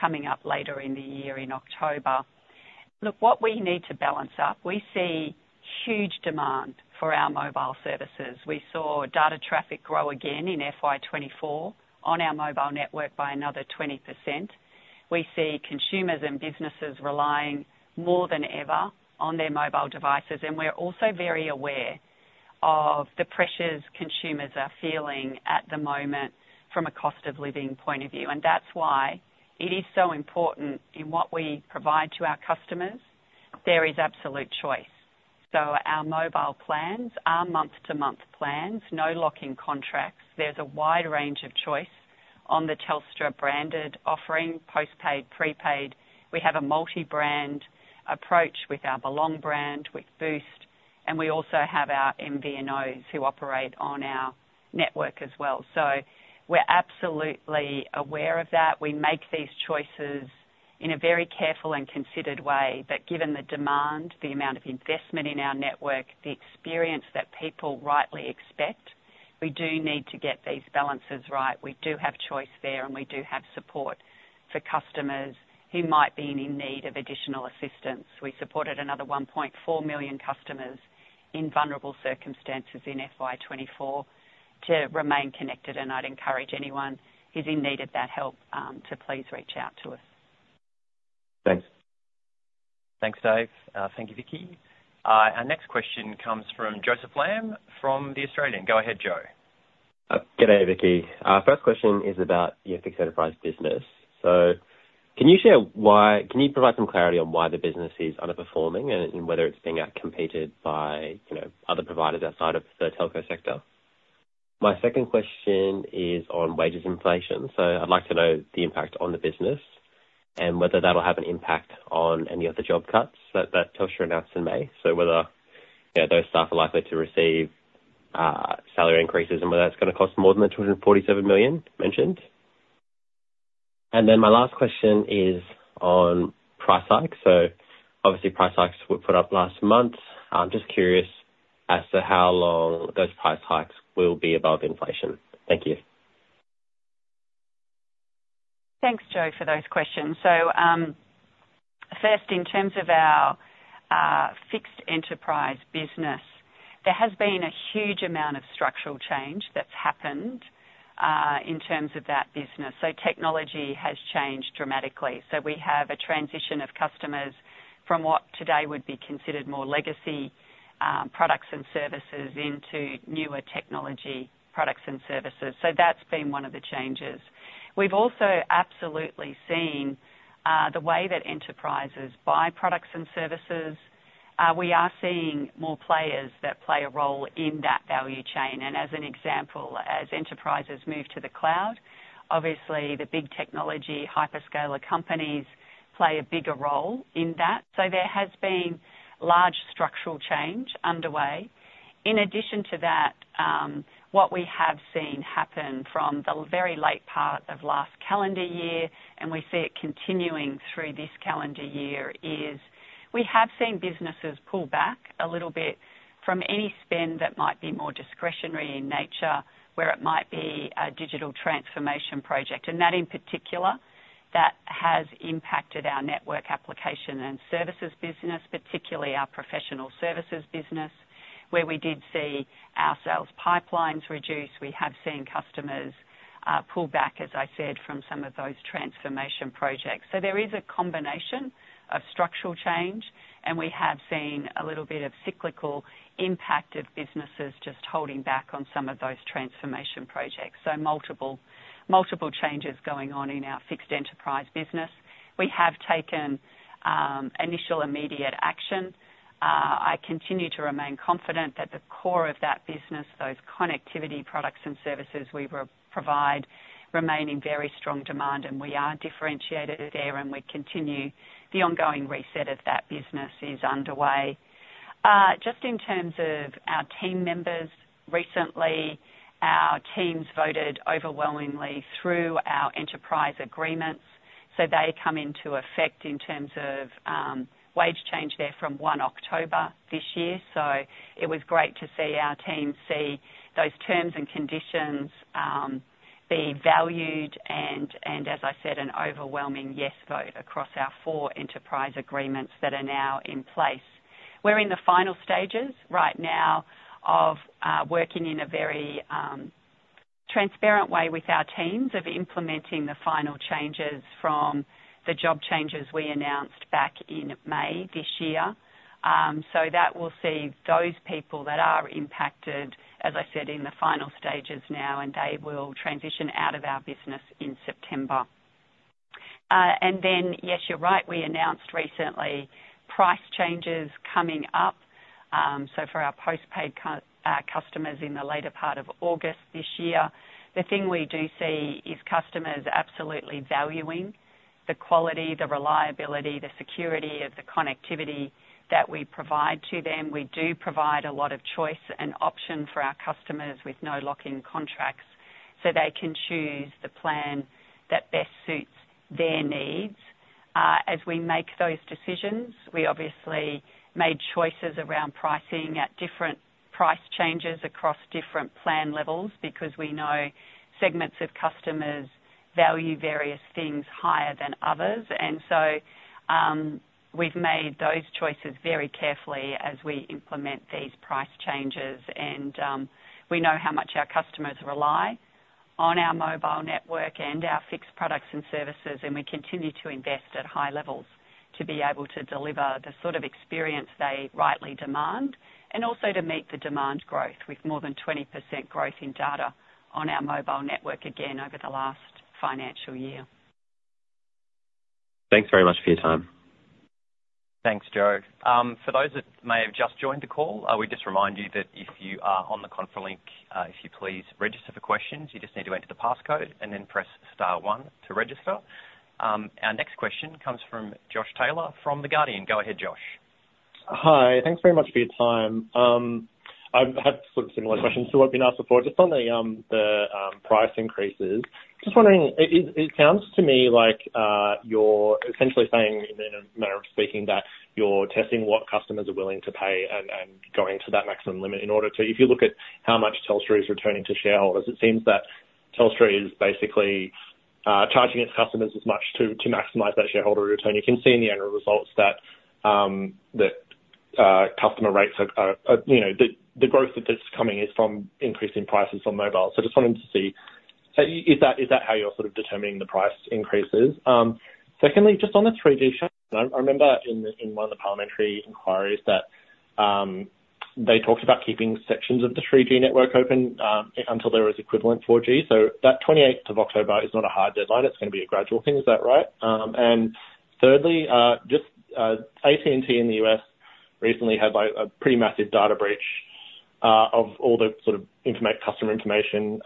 coming up later in the year, in October. Look, what we need to balance up, we see huge demand for our mobile services. We saw data traffic grow again in FY 2024 on our mobile network by another 20%. We see consumers and businesses relying more than ever on their mobile devices, and we're also very aware of the pressures consumers are feeling at the moment from a cost of living point of view. And that's why it is so important in what we provide to our customers, there is absolute choice. So our mobile plans are month-to-month plans, no lock-in contracts. There's a wide range of choice on the Telstra branded offering, postpaid, prepaid. We have a multi-brand approach with our Belong brand, with Boost, and we also have our MVNOs who operate on our network as well. So we're absolutely aware of that. We make these choices in a very careful and considered way, but given the demand, the amount of investment in our network, the experience that people rightly expect, we do need to get these balances right. We do have choice there, and we do have support for customers who might be in need of additional assistance. We supported another 1.4 million customers in vulnerable circumstances in FY 2024 to remain connected, and I'd encourage anyone who's in need of that help to please reach out to us. Thanks. Thanks, Dave. Thank you, Vicki. Our next question comes from Joseph Lam from The Australian. Go ahead, Joe. Good day, Vicki. Our first question is about your fixed enterprise business. Can you provide some clarity on why the business is underperforming and whether it's being outcompeted by, you know, other providers outside of the telco sector? My second question is on wages inflation. So I'd like to know the impact on the business and whether that'll have an impact on any of the job cuts that Telstra announced in May. So whether, those staff are likely to receive salary increases, and whether that's gonna cost more than the 247 million mentioned. And then my last question is on price hikes. So obviously, price hikes were put up last month. I'm just curious as to how long those price hikes will be above inflation. Thank you. Thanks, Joe, for those questions. So, first, in terms of our fixed enterprise business, there has been a huge amount of structural change that's happened in terms of that business. So technology has changed dramatically. So we have a transition of customers from what today would be considered more legacy products and services into newer technology products and services. So that's been one of the changes. We've also absolutely seen the way that enterprises buy products and services. We are seeing more players that play a role in that value chain, and as an example, as enterprises move to the cloud, obviously, the big technology hyperscaler companies play a bigger role in that. So there has been large structural change underway. In addition to that, what we have seen happen from the very late part of last calendar year, and we see it continuing through this calendar year, is we have seen businesses pull back a little bit from any spend that might be more discretionary in nature, where it might be a digital transformation project. And that, in particular, that has impacted our Network Applications and Services business, particularly our professional services business, where we did see our sales pipelines reduce. We have seen customers pull back, as I said, from some of those transformation projects. So there is a combination of structural change, and we have seen a little bit of cyclical impact of businesses just holding back on some of those transformation projects. So multiple, multiple changes going on in our fixed enterprise business. We have taken initial immediate action. I continue to remain confident that the core of that business, those connectivity products and services we provide, remain in very strong demand, and we are differentiated there, and we continue the ongoing reset of that business is underway. Just in terms of our team members, recently, our teams voted overwhelmingly through our enterprise agreements, so they come into effect in terms of wage change there from one October this year. So it was great to see our team see those terms and conditions be valued, and, and as I said, an overwhelming yes vote across our four enterprise agreements that are now in place. We're in the final stages right now of working in a very transparent way with our teams of implementing the final changes from the job changes we announced back in May this year. So that will see those people that are impacted, as I said, in the final stages now, and they will transition out of our business in September. And then, yes, you're right, we announced recently price changes coming up. So for our postpaid customers in the later part of August this year, the thing we do see is customers absolutely valuing the quality, the reliability, the security of the connectivity that we provide to them. We do provide a lot of choice and option for our customers with no lock-in contracts, so they can choose the plan that best suits their needs. As we make those decisions, we obviously made choices around pricing at different price changes across different plan levels, because we know segments of customers value various things higher than others. And so, we've made those choices very carefully as we implement these price changes. And, we know how much our customers rely on our mobile network and our fixed products and services, and we continue to invest at high levels to be able to deliver the sort of experience they rightly demand, and also to meet the demand growth, with more than 20% growth in data on our mobile network, again, over the last financial year. Thanks very much for your time. Thanks, Joe. For those that may have just joined the call, we just remind you that if you are on the conference link, if you please register for questions, you just need to enter the passcode and then press star one to register. Our next question comes from Josh Taylor from The Guardian. Go ahead, Josh. Hi. Thanks very much for your time. I've had sort of similar questions to what's been asked before. Just on the price increases, just wondering, it sounds to me like you're essentially saying, in a manner of speaking, that you're testing what customers are willing to pay and going to that maximum limit in order to--If you look at how much Telstra is returning to shareholders, it seems that Telstra is basically charging its customers as much to maximize that shareholder return. You can see in the annual results that customer rates are, you know, the growth that's coming is from increasing prices on mobile. So just wanting to see, so is that how you're sort of determining the price increases? Secondly, just on the 3G shutdown, I remember in one of the parliamentary inquiries that they talked about keeping sections of the 3G network open until there was equivalent 4G. So that 28th of October is not a hard deadline, it's going to be a gradual thing. Is that right? And thirdly, just AT&T in the U.S. recently had a pretty massive data breach of all the sort of customer information.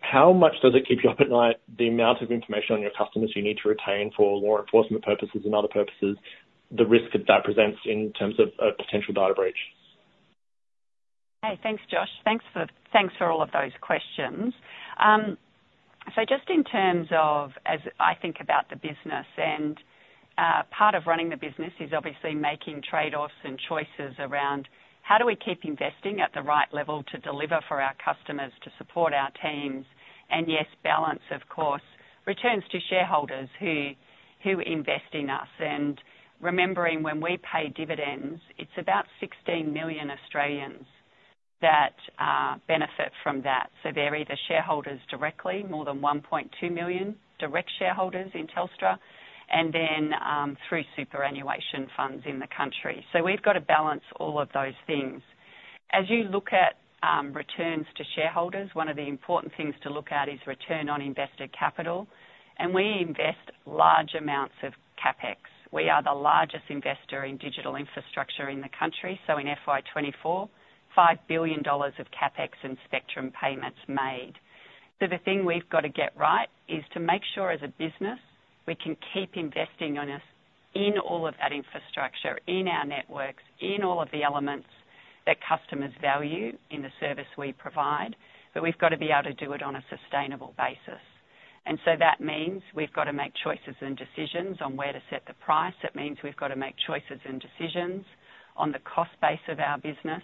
How much does it keep you up at night, the amount of information on your customers you need to retain for law enforcement purposes and other purposes, the risk that presents in terms of a potential data breach? Hey, thanks, Josh. Thanks for, thanks for all of those questions. So just in terms of as I think about the business, and, part of running the business is obviously making trade-offs and choices around how do we keep investing at the right level to deliver for our customers, to support our teams, and yes, balance, of course, returns to shareholders who invest in us. And remembering when we pay dividends, it's about 16 million Australians that, benefit from that. So they're either shareholders directly, more than 1.2 million direct shareholders in Telstra, and then, through superannuation funds in the country. So we've got to balance all of those things. As you look at, returns to shareholders, one of the important things to look at is return on invested capital, and we invest large amounts of CapEx. We are the largest investor in digital infrastructure in the country, so in FY 2024, 5 billion dollars of CapEx and spectrum payments made. So the thing we've got to get right is to make sure, as a business, we can keep investing on this, in all of that infrastructure, in our networks, in all of the elements that customers value in the service we provide, but we've got to be able to do it on a sustainable basis. And so that means we've got to make choices and decisions on where to set the price. That means we've got to make choices and decisions on the cost base of our business,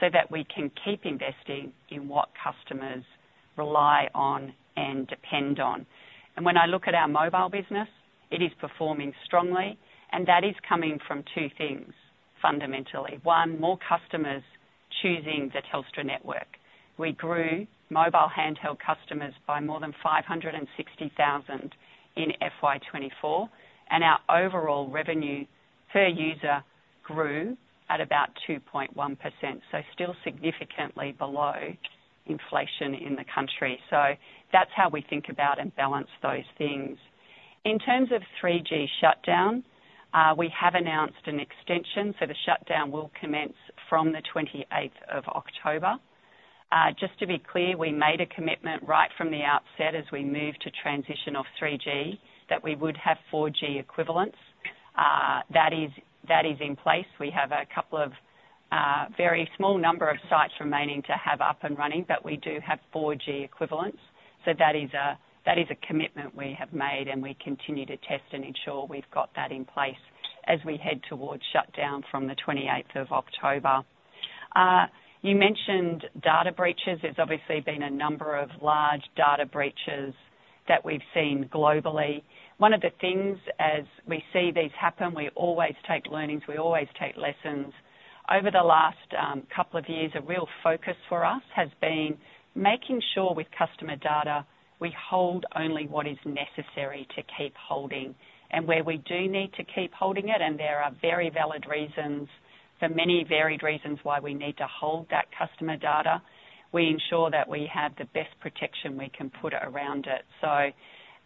so that we can keep investing in what customers rely on and depend on. And when I look at our mobile business, it is performing strongly, and that is coming from two things fundamentally. One, more customers choosing the Telstra network. We grew mobile handheld customers by more than 560,000 in FY 2024, and our overall revenue per user grew at about 2.1%, so still significantly below inflation in the country. So that's how we think about and balance those things. In terms of 3G shutdown, we have announced an extension, so the shutdown will commence from the 28th of October. Just to be clear, we made a commitment right from the outset as we moved to transition off 3G, that we would have 4G equivalents. That is in place. We have a couple of very small number of sites remaining to have up and running, but we do have 4G equivalents. So that is a commitment we have made, and we continue to test and ensure we've got that in place as we head towards shutdown from the twenty-eighth of October. You mentioned data breaches. There's obviously been a number of large data breaches that we've seen globally. One of the things as we see these happen, we always take learnings, we always take lessons. Over the last couple of years, a real focus for us has been making sure with customer data, we hold only what is necessary to keep holding. And where we do need to keep holding it, and there are very valid reasons for many varied reasons why we need to hold that customer data, we ensure that we have the best protection we can put around it.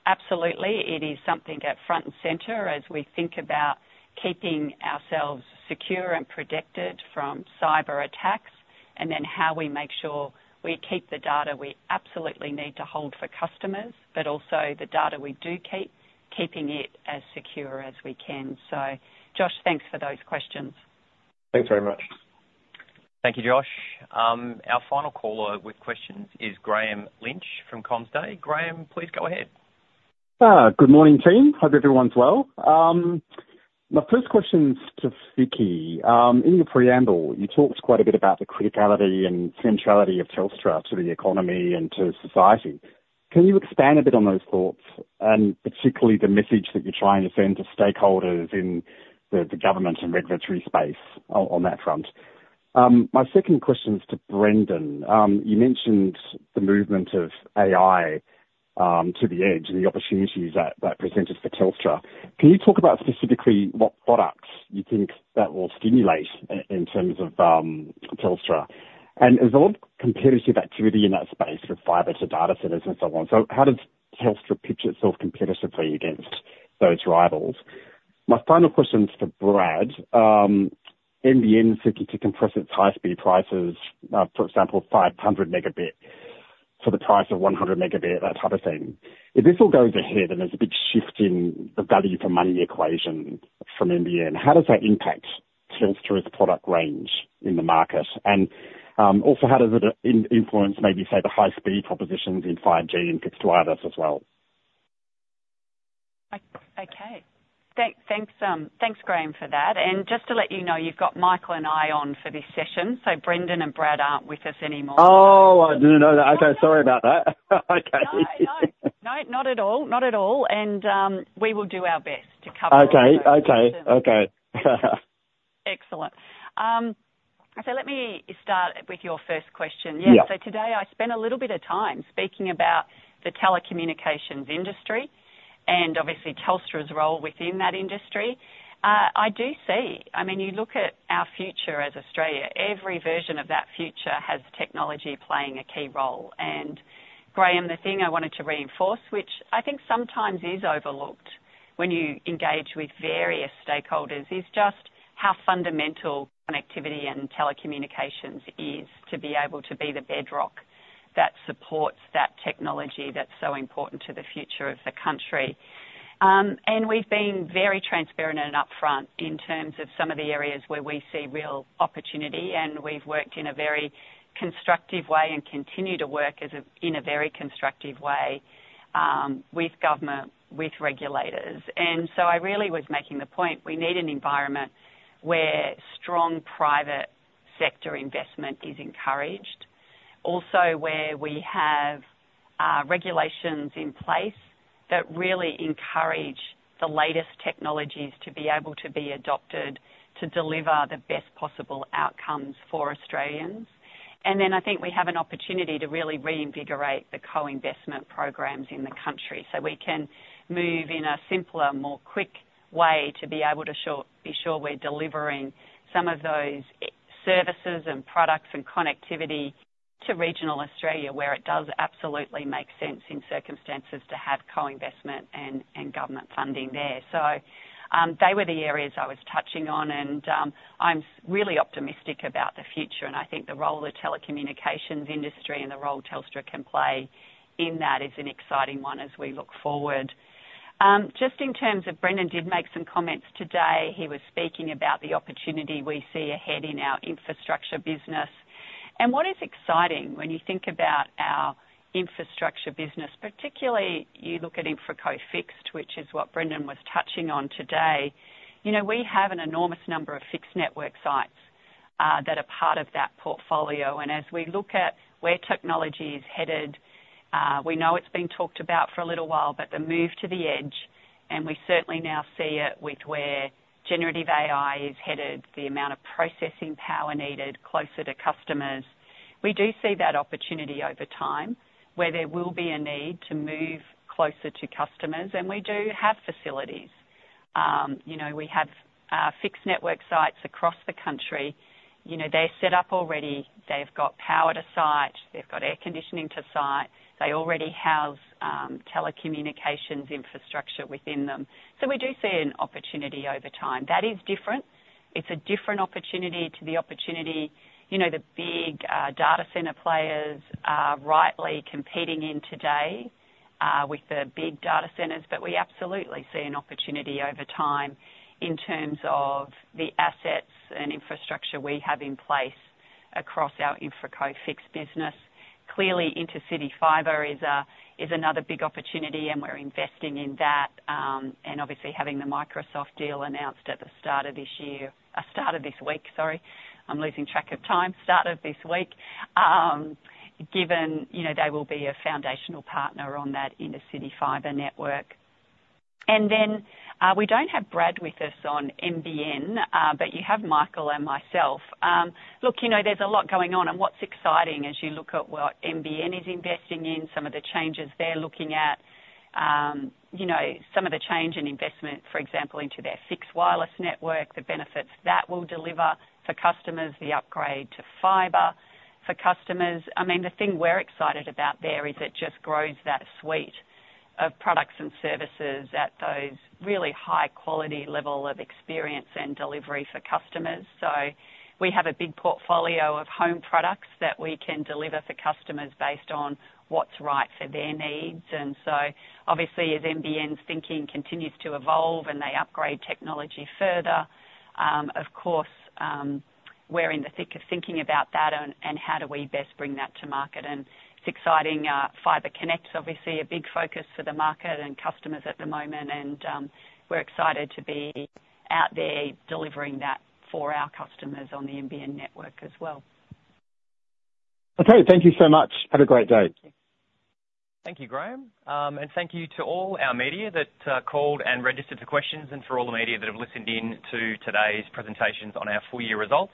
Absolutely, it is something at front and center as we think about keeping ourselves secure and protected from cyber attacks, and then how we make sure we keep the data we absolutely need to hold for customers, but also the data we do keep, keeping it as secure as we can. So Josh, thanks for those questions. Thanks very much. Thank you, Josh. Our final caller with questions is Grahame Lynch from CommsDay. Graeme, please go ahead. Good morning, team. Hope everyone's well. My first question is to Vicki. In your preamble, you talked quite a bit about the criticality and centrality of Telstra to the economy and to society. Can you expand a bit on those thoughts, and particularly the message that you're trying to send to stakeholders in the government and regulatory space on that front? My second question is to Brendan. You mentioned the movement of AI to the edge and the opportunities that presented for Telstra. Can you talk about specifically what products you think that will stimulate in terms of Telstra? And there's a lot of competitive activity in that space with fibre to data centers and so on. So how does Telstra pitch itself competitively against those rivals? My final question is for Brad. NBN seeking to compress its high-speed prices, for example, 500 Mbps for the price of 100 Mbps, that type of thing. If this all goes ahead, and there's a big shift in the value for money equation from NBN, how does that impact Telstra's product range in the market? And, also, how does it influence maybe, say, the high-speed propositions in 5G and fixed wireless as well? Okay. Thanks, Grahame, for that. And just to let you know, you've got Michael and I on for this session, so Brendan and Brad aren't with us anymore. Oh! I didn't know that. Okay, sorry about that. Okay. No, no, no, not at all. Not at all, and, we will do our best to cover- Okay. Okay. Okay. Excellent. So let me start with your first question. Yeah. Yes, so today I spent a little bit of time speaking about the telecommunications industry and obviously Telstra's role within that industry. I do see. I mean, you look at our future as Australia, every version of that future has technology playing a key role. And Graeme, the thing I wanted to reinforce, which I think sometimes is overlooked when you engage with various stakeholders, is just how fundamental connectivity and telecommunications is to be able to be the bedrock that supports that technology that's so important to the future of the country. And we've been very transparent and upfront in terms of some of the areas where we see real opportunity, and we've worked in a very constructive way and continue to work as a, in a very constructive way, with government, with regulators. I really was making the point, we need an environment where strong private sector investment is encouraged. Also, where we have regulations in place that really encourage the latest technologies to be able to be adopted, to deliver the best possible outcomes for Australians. And then I think we have an opportunity to really reinvigorate the co-investment programs in the country, so we can move in a simpler, more quick way to be able to be sure we're delivering some of those e-services and products and connectivity to regional Australia, where it does absolutely make sense in circumstances to have co-investment and government funding there. They were the areas I was touching on, and I'm really optimistic about the future, and I think the role of the telecommunications industry and the role Telstra can play in that is an exciting one as we look forward. Just in terms of, Brendan did make some comments today. He was speaking about the opportunity we see ahead in our infrastructure business. What is exciting when you think about our infrastructure business, particularly you look at InfraCo Fixed, which is what Brendan was touching on today. You know, we have an enormous number of fixed network sites that are part of that portfolio, and as we look at where technology is headed, we know it's been talked about for a little while, but the move to the edge, and we certainly now see it with where generative AI is headed, the amount of processing power needed closer to customers. We do see that opportunity over time, where there will be a need to move closer to customers, and we do have facilities. You know, we have fixed network sites across the country. You know, they're set up already. They've got power to site. They've got air conditioning to site. They already house telecommunications infrastructure within them. So we do see an opportunity over time. That is different. It's a different opportunity to the opportunity, you know, the big data center players are rightly competing in today with the big data centers. But we absolutely see an opportunity over time in terms of the assets and infrastructure we have in place across our InfraCo Fixed business. Clearly, Intercity Fibre is another big opportunity, and we're investing in that. And obviously having the Microsoft deal announced at the start of this year, start of this week, sorry, I'm losing track of time. Start of this week! Given, you know, they will be a foundational partner on that Intercity Fibre network. And then we don't have Brad with us on NBN, but you have Michael and myself. Look, you know, there's a lot going on, and what's exciting as you look at what NBN is investing in, some of the changes they're looking at, you know, some of the change in investment, for example, into their fixed wireless network, the benefits that will deliver for customers, the upgrade to fibre for customers. I mean, the thing we're excited about there is it just grows that suite of products and services at those really high-quality level of experience and delivery for customers. So we have a big portfolio of home products that we can deliver for customers based on what's right for their needs. And so obviously, as NBN's thinking continues to evolve and they upgrade technology further, of course, we're in the thick of thinking about that and, and how do we best bring that to market. It's exciting. Fibre Connect's obviously a big focus for the market and customers at the moment, and we're excited to be out there delivering that for our customers on the NBN network as well. Okay, thank you so much. Have a great day. Thank you, Grahame. Thank you to all our media that called and registered for questions, and for all the media that have listened in to today's presentations on our full year results.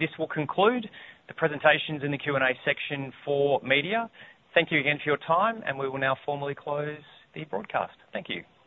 This will conclude the presentations in the Q&A section for media. Thank you again for your time, and we will now formally close the broadcast. Thank you.